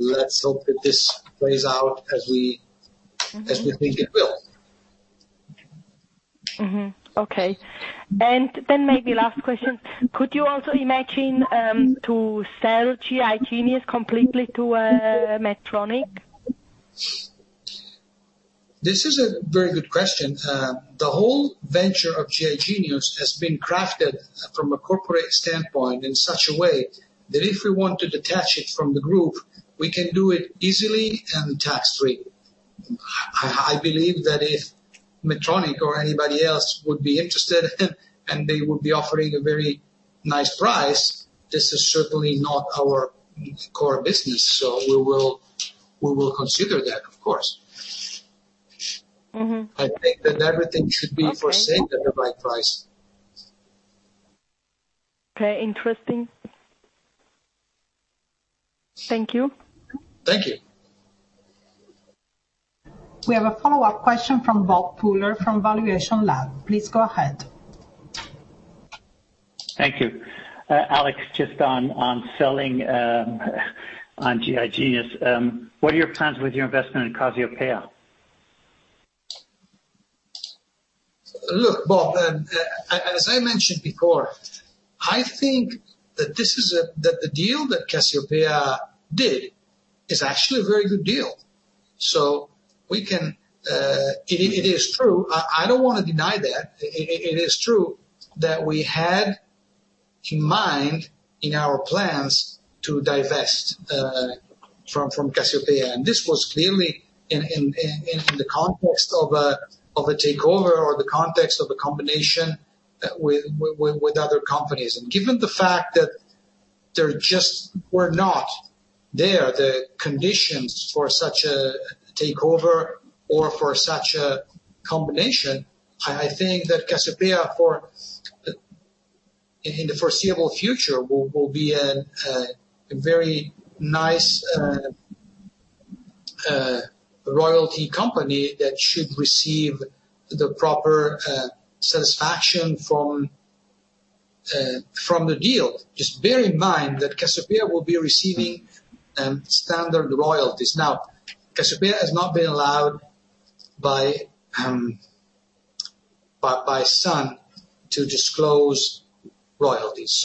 Let's hope that this plays out as we think it will. Mm-hmm. Okay. Maybe last question. Could you also imagine to sell GI Genius completely to Medtronic? This is a very good question. The whole venture of GI Genius has been crafted from a corporate standpoint in such a way that if we want to detach it from the group, we can do it easily and tax-free. I believe that if Medtronic or anybody else would be interested and they would be offering a very nice price, this is certainly not our core business, so we will consider that, of course. I think that everything should be for sale at the right price. Okay, interesting. Thank you. Thank you. We have a follow-up question from Bob Pooler from valuationLAB. Please go ahead. Thank you. Alessandro Della Chà, just on selling on GI Genius. What are your plans with your investment in Cassiopea? Look, Bob, as I mentioned before, I think that the deal that Cassiopea did is actually a very good deal. It is true. I don't want to deny that. It is true that we had in mind, in our plans, to divest from Cassiopea. This was clearly in the context of a takeover or the context of a combination with other companies. Given the fact that they just were not there, the conditions for such a takeover or for such a combination, I think that Cassiopea, in the foreseeable future, will be a very nice royalty company that should receive the proper satisfaction from the deal. Just bear in mind that Cassiopea will be receiving standard royalties. Now, Cassiopea has not been allowed by Sun to disclose royalties.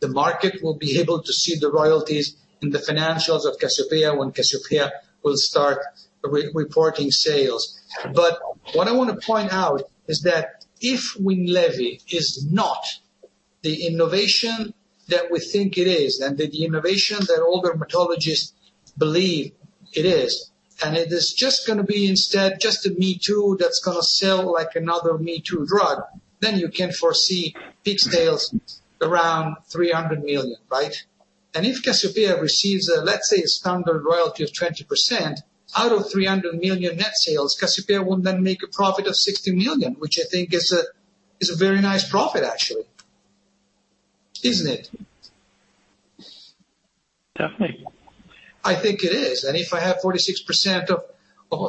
The market will be able to see the royalties in the financials of Cassiopea when Cassiopea will start reporting sales. What I want to point out is that if Winlevi is not the innovation that we think it is and the innovation that all dermatologists believe it is, and it is just going to be instead just a me-too that's going to sell like another me-too drug, then you can foresee peak sales around 300 million, right? If Cassiopea receives, let's say, a standard royalty of 20%, out of 300 million net sales, Cassiopea will then make a profit of 60 million, which I think is a very nice profit actually. Isn't it? Definitely. I think it is. If I have 46% of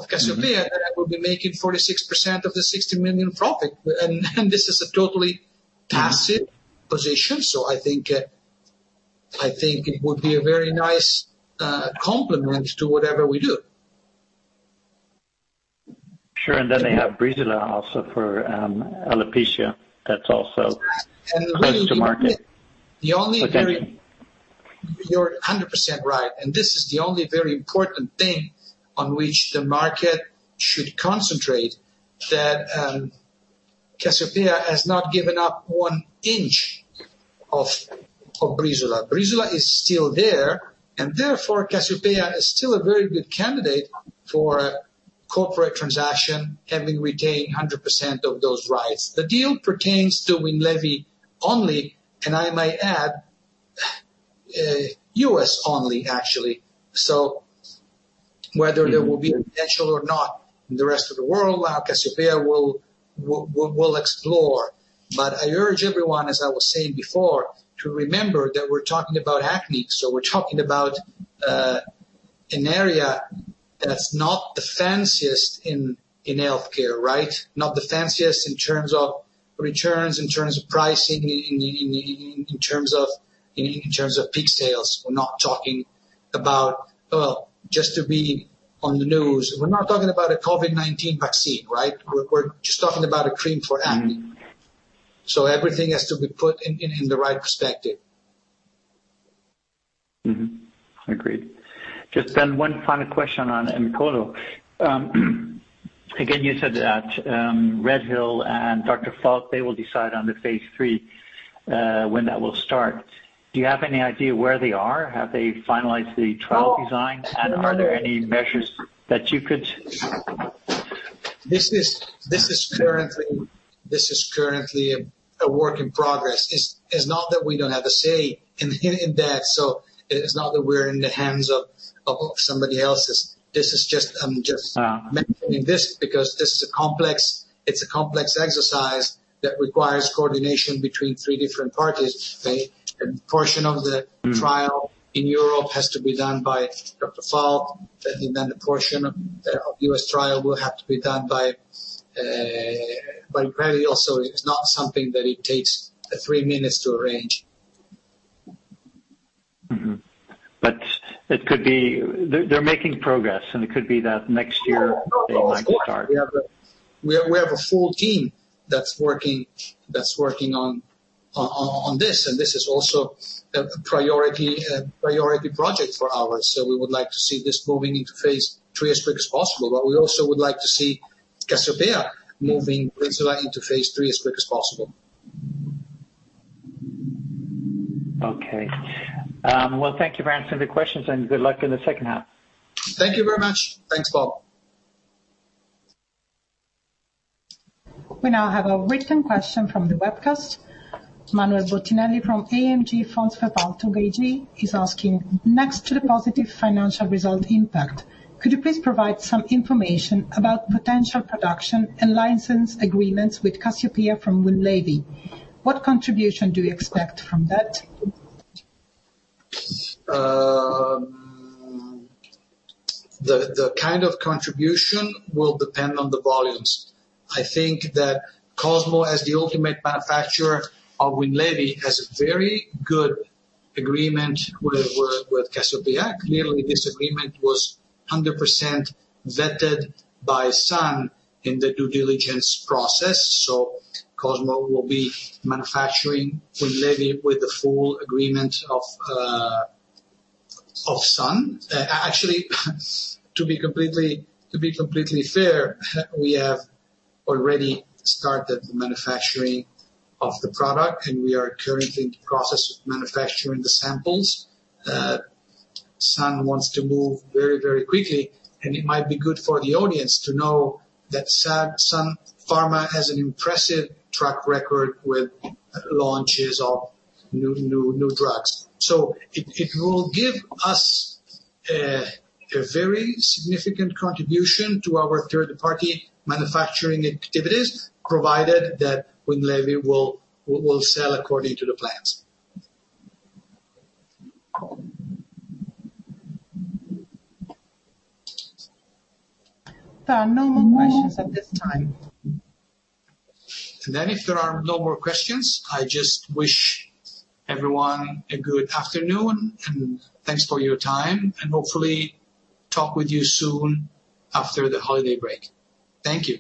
Cassiopea, then I will be making 46% of the 60 million profit. This is a totally tacit position. I think it would be a very nice complement to whatever we do. Sure. Then they have Breezula also for alopecia that's also close to market. You're 100% right. This is the only very important thing on which the market should concentrate, that Cassiopea has not given up one inch of Breezula. Breezula is still there. Therefore, Cassiopea is still a very good candidate for a corporate transaction, having retained 100% of those rights. The deal pertains to Winlevi only. I might add, U.S. only, actually. Whether there will be potential or not in the rest of the world, Cassiopea will explore. I urge everyone, as I was saying before, to remember that we're talking about acne. We're talking about an area that's not the fanciest in healthcare, right? Not the fanciest in terms of returns, in terms of pricing, in terms of peak sales. We're not talking about, just to be on the news. We're not talking about a COVID-19 vaccine, right? We're just talking about a cream for acne. Everything has to be put in the right perspective. Mm-hmm. Agreed. Just then one final question on Aemcolo. Again, you said that RedHill and Dr. Falk, they will decide on the phase III, when that will start. Do you have any idea where they are? Have they finalized the trial design? Oh, sure. Are there any measures that you. This is currently a work in progress. It's not that we don't have a say in that. It is not that we're in the hands of somebody else's. I'm just mentioning this because it's a complex exercise that requires coordination between three different parties. A portion of the trial in Europe has to be done by Dr. Falk, and then a portion of the U.S. trial will have to be done by RedHill also. It's not something that it takes three minutes to arrange. Mm-hmm. They're making progress, and it could be that next year they might start. Of course. We have a full team that's working on this, and this is also a priority project for ours. We would like to see this moving into phase III as quick as possible. We also would like to see Cassiopea moving Breezula into phase III as quick as possible. Okay. Well, thank you for answering the questions, and good luck in the second half. Thank you very much. Thanks, Bob. We now have a written question from the webcast. Manuel Bottinelli from AMG Fondsverwaltung AG is asking, next to the positive financial result impact, could you please provide some information about potential production and license agreements with Cassiopea from Winlevi? What contribution do you expect from that? The kind of contribution will depend on the volumes. I think that Cosmo, as the ultimate manufacturer of Winlevi, has a very good agreement with Cassiopea. Clearly, this agreement was 100% vetted by Sun in the due diligence process. Cosmo will be manufacturing Winlevi with the full agreement of Sun. Actually, to be completely fair, we have already started the manufacturing of the product, and we are currently in the process of manufacturing the samples. Sun wants to move very quickly, and it might be good for the audience to know that Sun Pharma has an impressive track record with launches of new drugs. It will give us a very significant contribution to our third-party manufacturing activities, provided that Winlevi will sell according to the plans. There are no more questions at this time. If there are no more questions, I just wish everyone a good afternoon, and thanks for your time, and hopefully talk with you soon after the holiday break. Thank you.